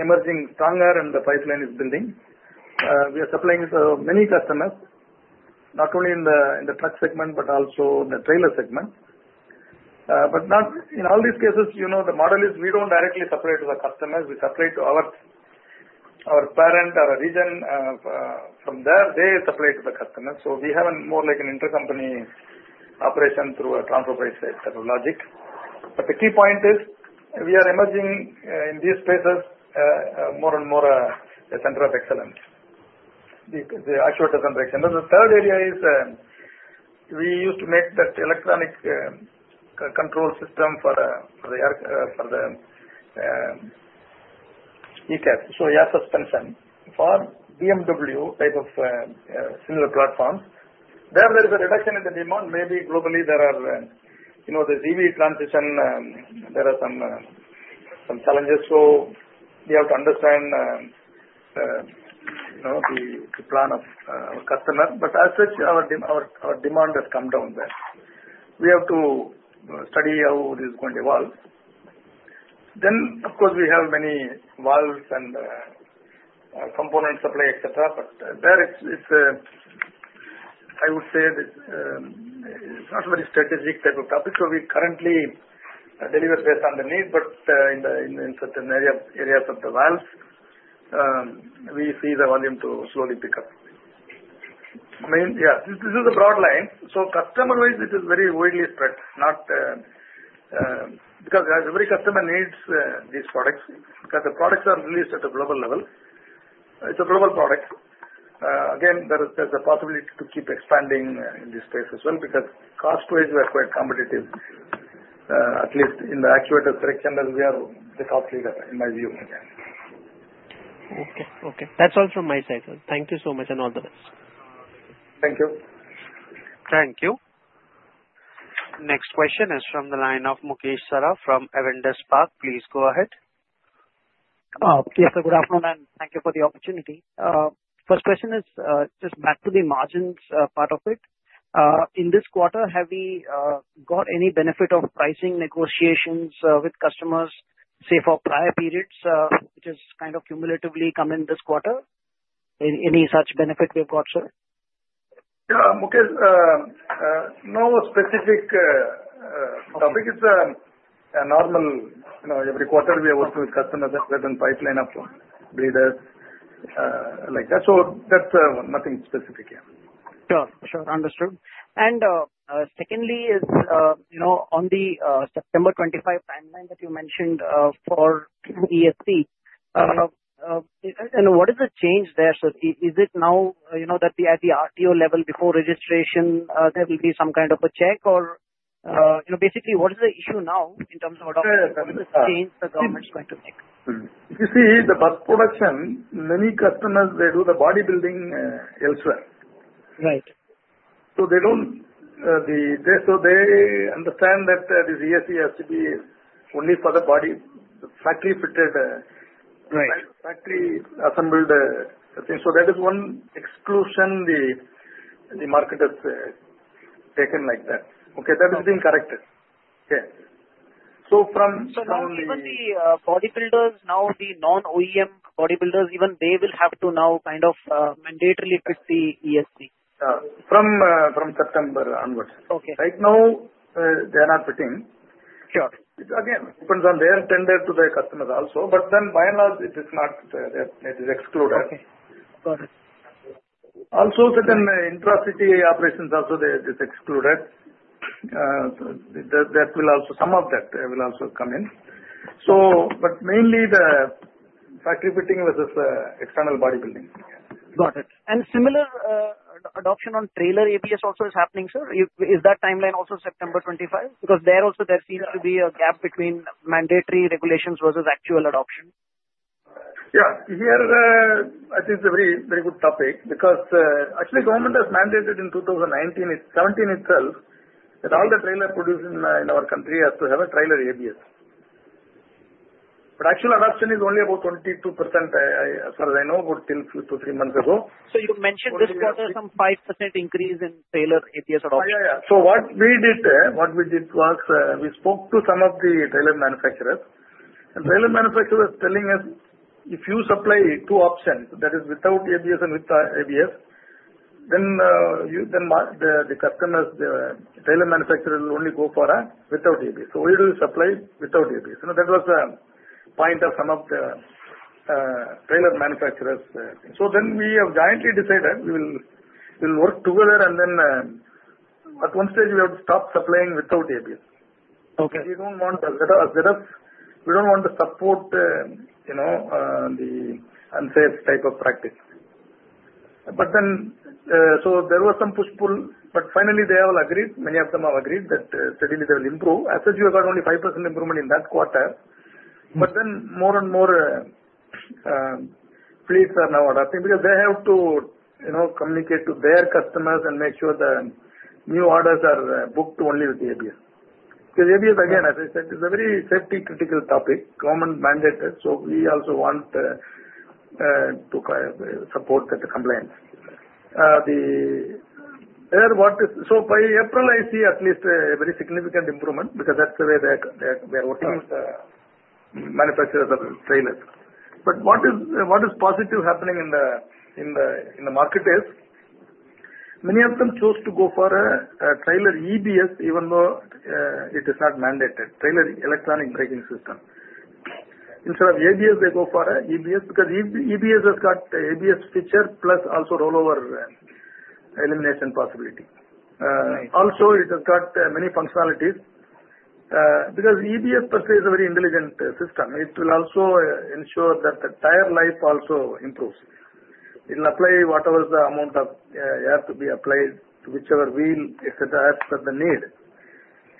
emerging stronger and the pipeline is building. We are supplying to many customers, not only in the truck segment but also in the trailer segment. But in all these cases, the model is we don't directly supply to the customers. We supply to our parent or a region from there. They supply to the customers. So we have more like an intercompany operation through a transfer price type of logic. But the key point is we are emerging in these spaces more and more a center of excellence. The actuators and brake chambers. The third area is we used to make that electronic control system for the ECAS. So air suspension for BMW type of similar platforms. There is a reduction in the demand. Maybe globally, there are the EV transition, there are some challenges. So we have to understand the plan of our customer. But as such, our demand has come down there. We have to study how this is going to evolve. Then, of course, we have many valves and component supply, etc. But there, I would say it's not a very strategic type of topic. So we currently deliver based on the need. But in certain areas of the valves, we see the volume to slowly pick up. I mean, yeah, this is the broad line. So customer-wise, it is very widely spread. Because every customer needs these products because the products are released at a global level. It's a global product. Again, there's a possibility to keep expanding in this space as well because cost-wise, we are quite competitive, at least in the actuators, brake chambers. We are the top leader in my view. Okay. Okay. That's all from my side, sir. Thank you so much and all the best. Thank you. Thank you. Next question is from the line of Mukesh Saraf from Avendus Spark. Please go ahead. Yes, sir. Good afternoon and thank you for the opportunity. First question is just back to the margins part of it. In this quarter, have we got any benefit of pricing negotiations with customers say for prior periods, which has kind of cumulatively come in this quarter? Any such benefit we've got, sir? Yeah, Mukesh, no specific topic. It's a normal every quarter we are working with customers and pipeline of bleeders like that. So that's nothing specific, yeah. Sure. Sure. Understood. And secondly is on the September 25 timeline that you mentioned for ESP, what is the change there, sir? Is it now that at the RTO level before registration, there will be some kind of a check? Or basically, what is the issue now in terms of what change the government is going to make? You see, the bus production, many customers, they do the bodybuilding elsewhere. So they don't understand that this ESP has to be only for the body factory-fitted, factory assembled thing. So that is one exclusion the market has taken like that. Okay. That has been corrected. Yeah. So from the bodybuilders, now the non-OEM bodybuilders, even they will have to now kind of mandatorily fit the ESP? From September onwards. Right now, they are not fitting. Again, it depends on their tender to their customers also. But then, by and large, it is not excluded. Also, certain intra-city operations also, they are excluded. That will also some of that will also come in. But mainly, the factory fitting versus external bodybuilding. Got it. And similar adoption on trailer ABS also is happening, sir? Is that timeline also September 25? Because there also, there seems to be a gap between mandatory regulations versus actual adoption. Yeah. Here, I think it's a very good topic because actually, government has mandated in 2019. It's 2017 itself, that all the trailer produced in our country has to have a trailer ABS. But actual adoption is only about 22% as far as I know, until two or three months ago. So you mentioned this quarter some 5% increase in trailer ABS adoption? Yeah, yeah, yeah. So what we did was we spoke to some of the trailer manufacturers. And trailer manufacturers telling us, "If you supply two options, that is without ABS and with ABS, then the customers, the trailer manufacturers will only go for without ABS. So we will supply without ABS." That was a point of some of the trailer manufacturers. So then we have jointly decided we will work together and then at one stage, we have to stop supplying without ABS. We don't want to support the unsafe type of practice. But then so there was some push-pull. But finally, they all agreed. Many of them have agreed that steadily they will improve. As such, we got only 5% improvement in that quarter. But then more and more fleets are now adopting because they have to communicate to their customers and make sure the new orders are booked only with the ABS. Because ABS, again, as I said, is a very safety-critical topic. Government mandated. So we also want to support that compliance. So by April, I see at least a very significant improvement because that's the way they are working with the manufacturers of trailers. But what is positive happening in the market is many of them chose to go for a Trailer EBS, even though it is not mandated, trailer electronic braking system. Instead of ABS, they go for EBS because EBS has got ABS feature plus also rollover elimination possibility. Also, it has got many functionalities because EBS per se is a very intelligent system. It will also ensure that the tire life also improves. It will apply whatever the amount of air to be applied to whichever wheel, etc., as per the need.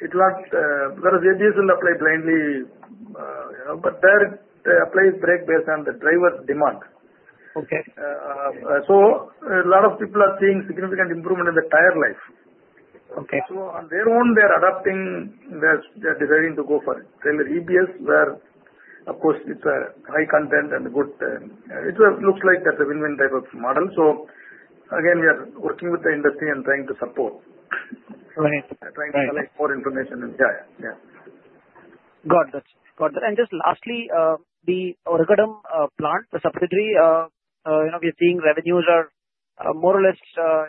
Because ABS will apply blindly, but there it applies brake based on the driver's demand. A lot of people are seeing significant improvement in the tire life. On their own, they are adopting. They are deciding to go for Trailer EBS where, of course, it's a high content and good. It looks like that's a win-win type of model. Again, we are working with the industry and trying to support. Trying to collect more information. Yeah. Yeah. Got it. Got it. Just lastly, the Oragadam plant, the subsidiary, we are seeing revenues are more or less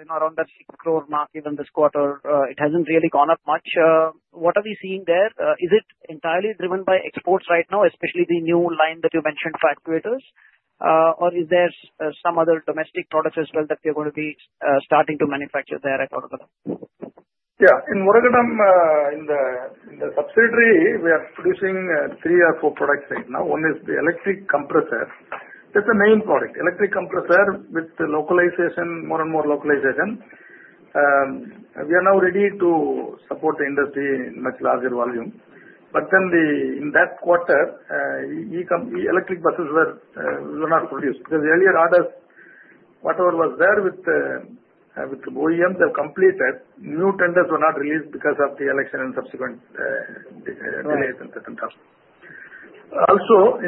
around that 60 crore mark, even this quarter. It hasn't really gone up much. What are we seeing there? Is it entirely driven by exports right now, especially the new line that you mentioned for actuators? Or is there some other domestic products as well that they're going to be starting to manufacture there at Oragadam? Yeah. In Oragadam, in the subsidiary, we are producing three or four products right now. One is the electric compressor. That's the main product. Electric compressor with localization, more and more localization. We are now ready to support the industry in much larger volume. But then in that quarter, electric buses were not produced because earlier orders, whatever was there with OEMs, they have completed. New tenders were not released because of the election and subsequent delays and certain tasks. Also,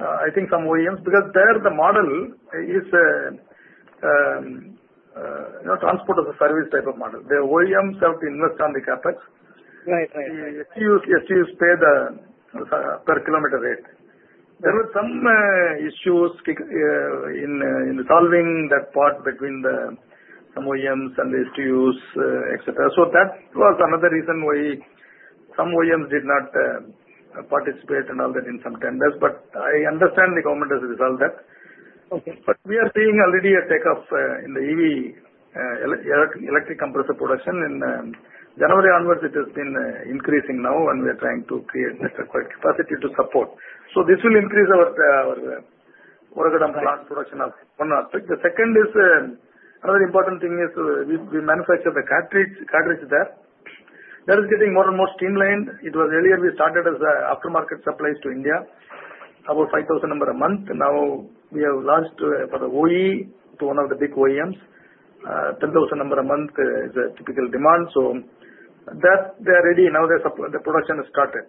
I think some OEMs, because there, the model is transport as a service type of model. The OEMs have to invest on the CapEx. The STUs pay the per kilometer rate. There were some issues in resolving that part between some OEMs and the STUs, etc. So that was another reason why some OEMs did not participate and all that in some tenders. But I understand the government has resolved that. But we are seeing already a takeoff in the EV electric compressor production. In January onwards, it has been increasing now, and we are trying to create the required capacity to support. So this will increase our Oragadam plant production of one aspect. The second is another important thing is we manufacture the cartridge. Cartridge there. That is getting more and more streamlined. It was earlier we started as aftermarket supplies to India, about 5,000 number a month. Now we have launched for the OE to one of the big OEMs. 10,000 number a month is a typical demand. So they are ready now. The production has started.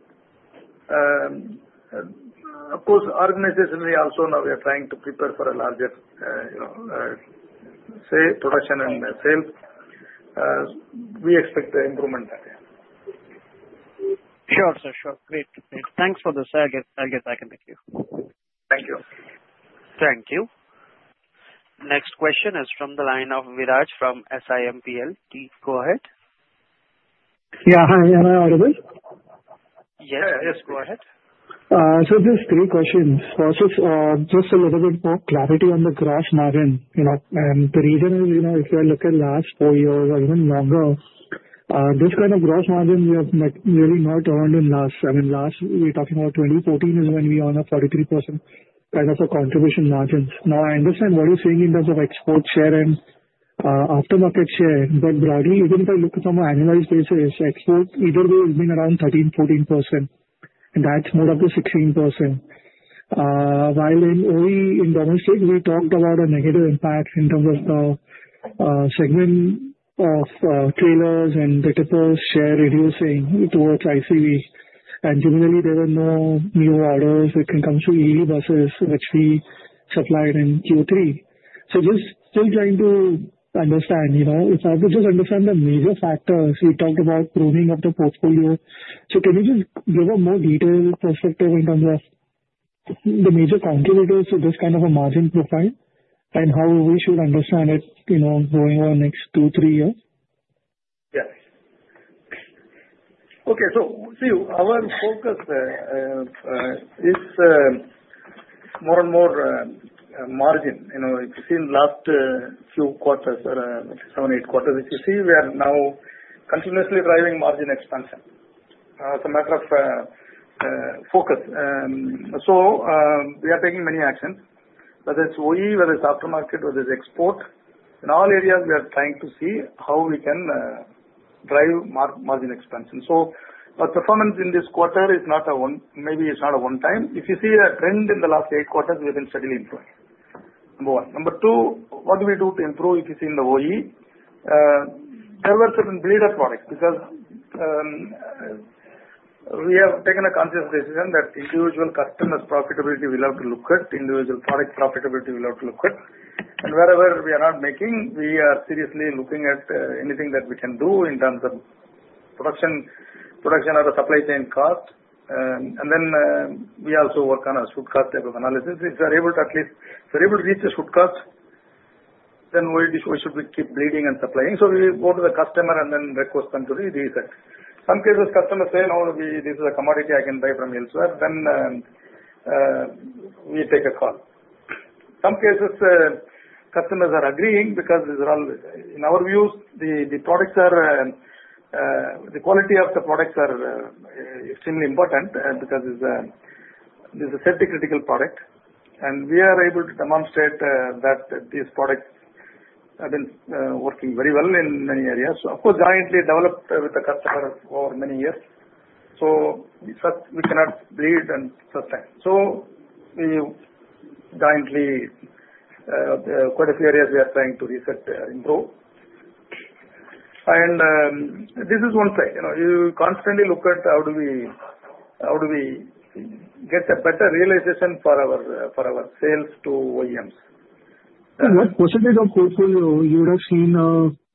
Of course, organizationally also, now we are trying to prepare for a larger production and sales. We expect the improvement there. Sure, sir. Sure. Great. Great. Thanks for the segue back. Thank you. Thank you. Thank you. Next question is from the line of Viraj from SiMPL. Please go ahead. Yeah. Hi. Can I add a bit? Yes. Yes. Go ahead. So just three questions. First is just a little bit more clarity on the gross margin. And the reason is if you look at last four years or even longer, this kind of gross margin we have really not earned in last. I mean, last we're talking about 2014 is when we earned a 43% kind of a contribution margin. Now, I understand what you're saying in terms of export share and aftermarket share. But broadly, even if I look at some annualized basis, export either way has been around 13%-14%. That's more of the 16%. While in OE, in domestic, we talked about a negative impact in terms of the segment of trailers and vehicles share reducing towards ICV. Generally, there were no new orders. It can come through EV buses, which we supplied in Q3. So just still trying to understand. If I could just understand the major factors, we talked about pruning of the portfolio. So can you just give a more detailed perspective in terms of the major contributors to this kind of a margin profile and how we should understand it going on next two, three years? Yeah. Okay. So our focus is more and more margin. It's seen last few quarters, seven, eight quarters. You see, we are now continuously driving margin expansion. It's a matter of focus. So we are taking many actions, whether it's OE, whether it's aftermarket, whether it's export. In all areas, we are trying to see how we can drive margin expansion. So our performance in this quarter is not a one-off maybe it's not a one-time. If you see a trend in the last eight quarters, we have been steadily improving. Number one. Number two, what do we do to improve, if you see, in the OE? There were certain bleeder products because we have taken a conscious decision that individual customer's profitability will have to look at, individual product profitability will have to look at. And wherever we are not making, we are seriously looking at anything that we can do in terms of production or the supply chain cost. And then we also work on a should-cost type of analysis. If we are able to at least if we are able to reach a should-cost, then why should we keep bleeding and supplying? So we go to the customer and then request them to do the reset. Some cases, customers say, "No, this is a commodity I can buy from elsewhere." Then we take a call. Some cases, customers are agreeing because in our views, the quality of the products is extremely important because it's a safety-critical product. We are able to demonstrate that these products have been working very well in many areas. Of course, jointly developed with the customer for many years. So we cannot bleed and suspend. So we jointly, quite a few areas, we are trying to reset, improve. This is one side. You constantly look at how do we get a better realization for our sales to OEMs. What percentage of portfolio you would have seen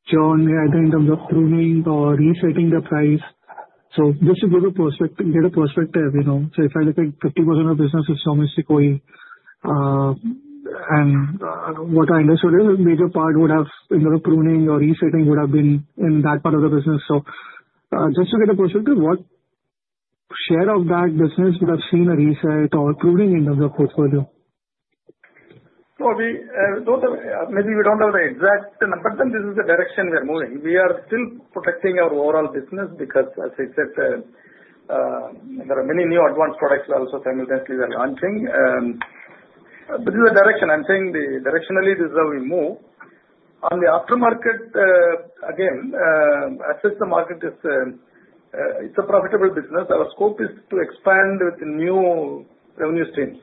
churn either in terms of pruning or resetting the price? Just to give a perspective, if I look at 50% of the business is domestic OE, and what I understood is a major part would have in the pruning or resetting would have been in that part of the business. Just to get a perspective, what share of that business would have seen a reset or pruning in terms of portfolio? Maybe we don't have the exact number, but this is the direction we are moving. We are still protecting our overall business because, as I said, there are many new advanced products also simultaneously we are launching. But this is the direction. I'm saying directionally, this is how we move. On the aftermarket, again, as such, the market is a profitable business. Our scope is to expand with new revenue streams.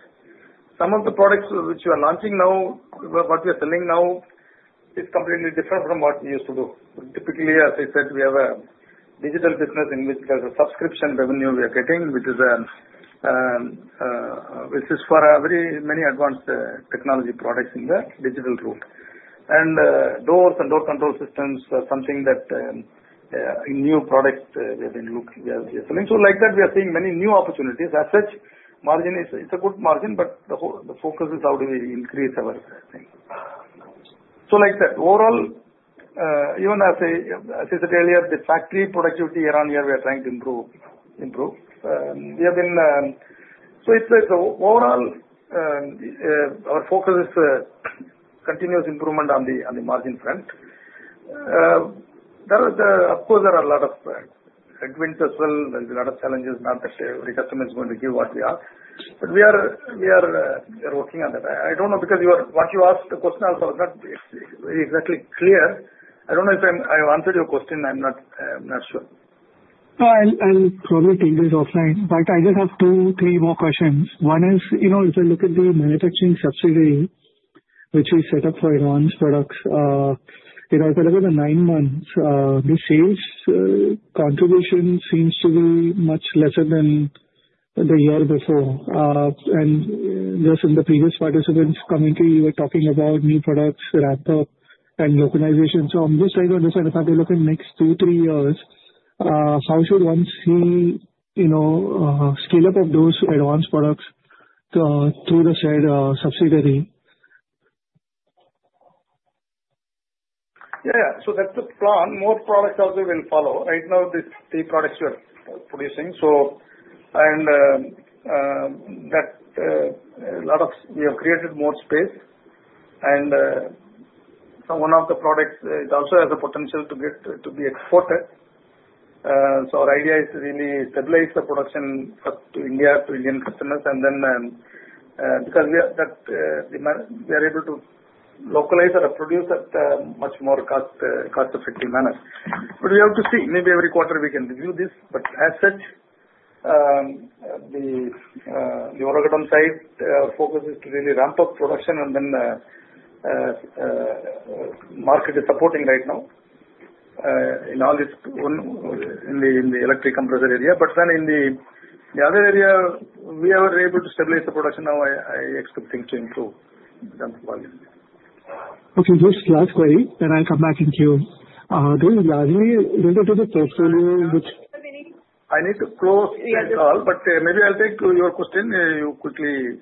Some of the products which we are launching now, what we are selling now, is completely different from what we used to do. Typically, as I said, we have a digital business in which there's a subscription revenue we are getting, which is for many advanced technology products in the digital realm, and doors and door control systems are something that in new products we have been looking at. We are selling, so like that, we are seeing many new opportunities. As such, margin is a good margin, but the focus is how do we increase our things, so like that, overall, even as I said earlier, the factory productivity year on year, we are trying to improve. We have been so overall, our focus is continuous improvement on the margin front. Of course, there are a lot of adversities as well. There's a lot of challenges, not that every customer is going to give what we ask. But we are working on that. I don't know because what you asked, the question also was not exactly clear. I don't know if I answered your question. I'm not sure. I'll probably take this offline. In fact, I just have two, three more questions. One is, if I look at the manufacturing subsidiary, which we set up for advanced products, if I look at the nine months, the sales contribution seems to be much lesser than the year before. And just in the previous participants' commentary, you were talking about new products, RAMPUP, and localization. So I'm just trying to understand if I look at next two, three years, how should one see scale-up of those advanced products through the shared subsidiary? Yeah. Yeah. So that's the plan. More products also will follow. Right now, the three products we are producing, and that a lot of we have created more space, and one of the products also has the potential to be exported, so our idea is to really stabilize the production to India, to Indian customers, and then because we are able to localize or produce at a much more cost-effective manner, but we have to see. Maybe every quarter we can review this, but as such, the Oragadam side focuses to really ramp up production and then market is supporting right now in the electric compressor area, but then in the other area, we are able to stabilize the production. Now I expect things to improve in terms of volume. Okay. Just last query, then I'll come back to you. Do you agree related to the portfolio which? I need to close this call, but maybe I'll take your question quickly.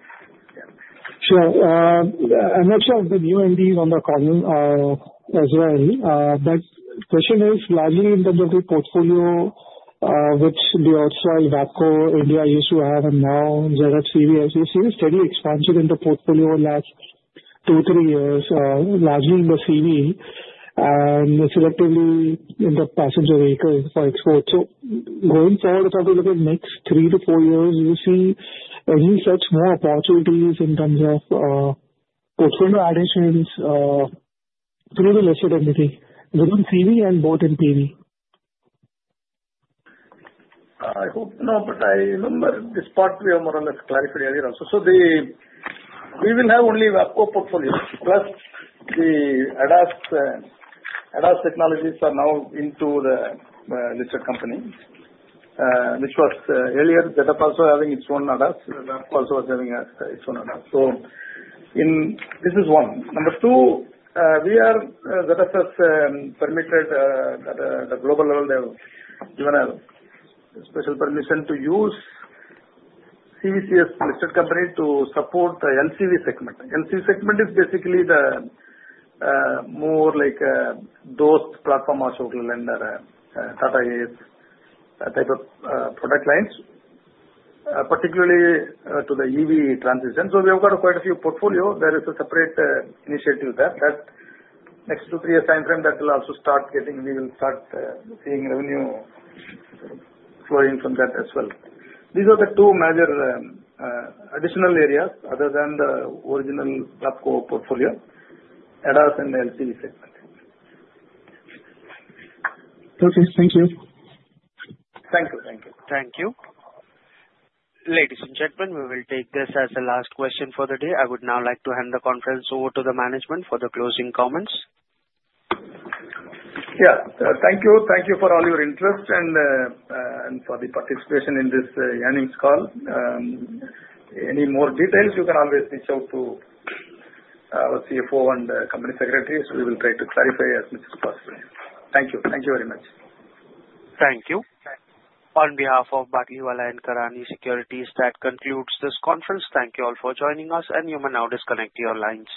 Sure. I'm not sure of the newbies on the call as well. But the question is, largely in terms of the portfolio which the WABCO India used to have, and now ZF CV, as you see, steadily expanded in the portfolio over the last two, three years, largely in the CV and selectively in the passenger vehicles for export. So going forward, if I look at next three to four years, do you see any such more opportunities in terms of portfolio additions through the listed entity within CV and both in PV? I hope not, but I remember this part we have more or less clarified earlier also. So we will have only WABCO portfolio. Plus, the ADAS technologies are now into the listed company, which was earlier ZF also having its own ADAS. WABCO also was having its own ADAS. So this is one. Number two, ZF has permitted at a global level, they have given a special permission to use CVCS listed company to support the LCV segment. LCV segment is basically more like those platforms like Tata Ace type of product lines, particularly to the EV transition. So we have got quite a few portfolio. There is a separate initiative there. That next two, three years' time frame, that will also start getting we will start seeing revenue flowing from that as well. These are the two major additional areas other than the original WAPCO portfolio, ADAS and LCV segment. Okay. Thank you. Thank you. Thank you. Thank you. Ladies and gentlemen, we will take this as a last question for the day. I would now like to hand the conference over to the management for the closing comments. Yeah. Thank you. Thank you for all your interest and for the participation in this earnings call. Any more details, you can always reach out to our CFO and company secretaries. We will try to clarify as much as possible. Thank you. Thank you very much. Thank you. On behalf of Batlivala and Karani Securities, that concludes this conference. Thank you all for joining us, and you may now disconnect your lines.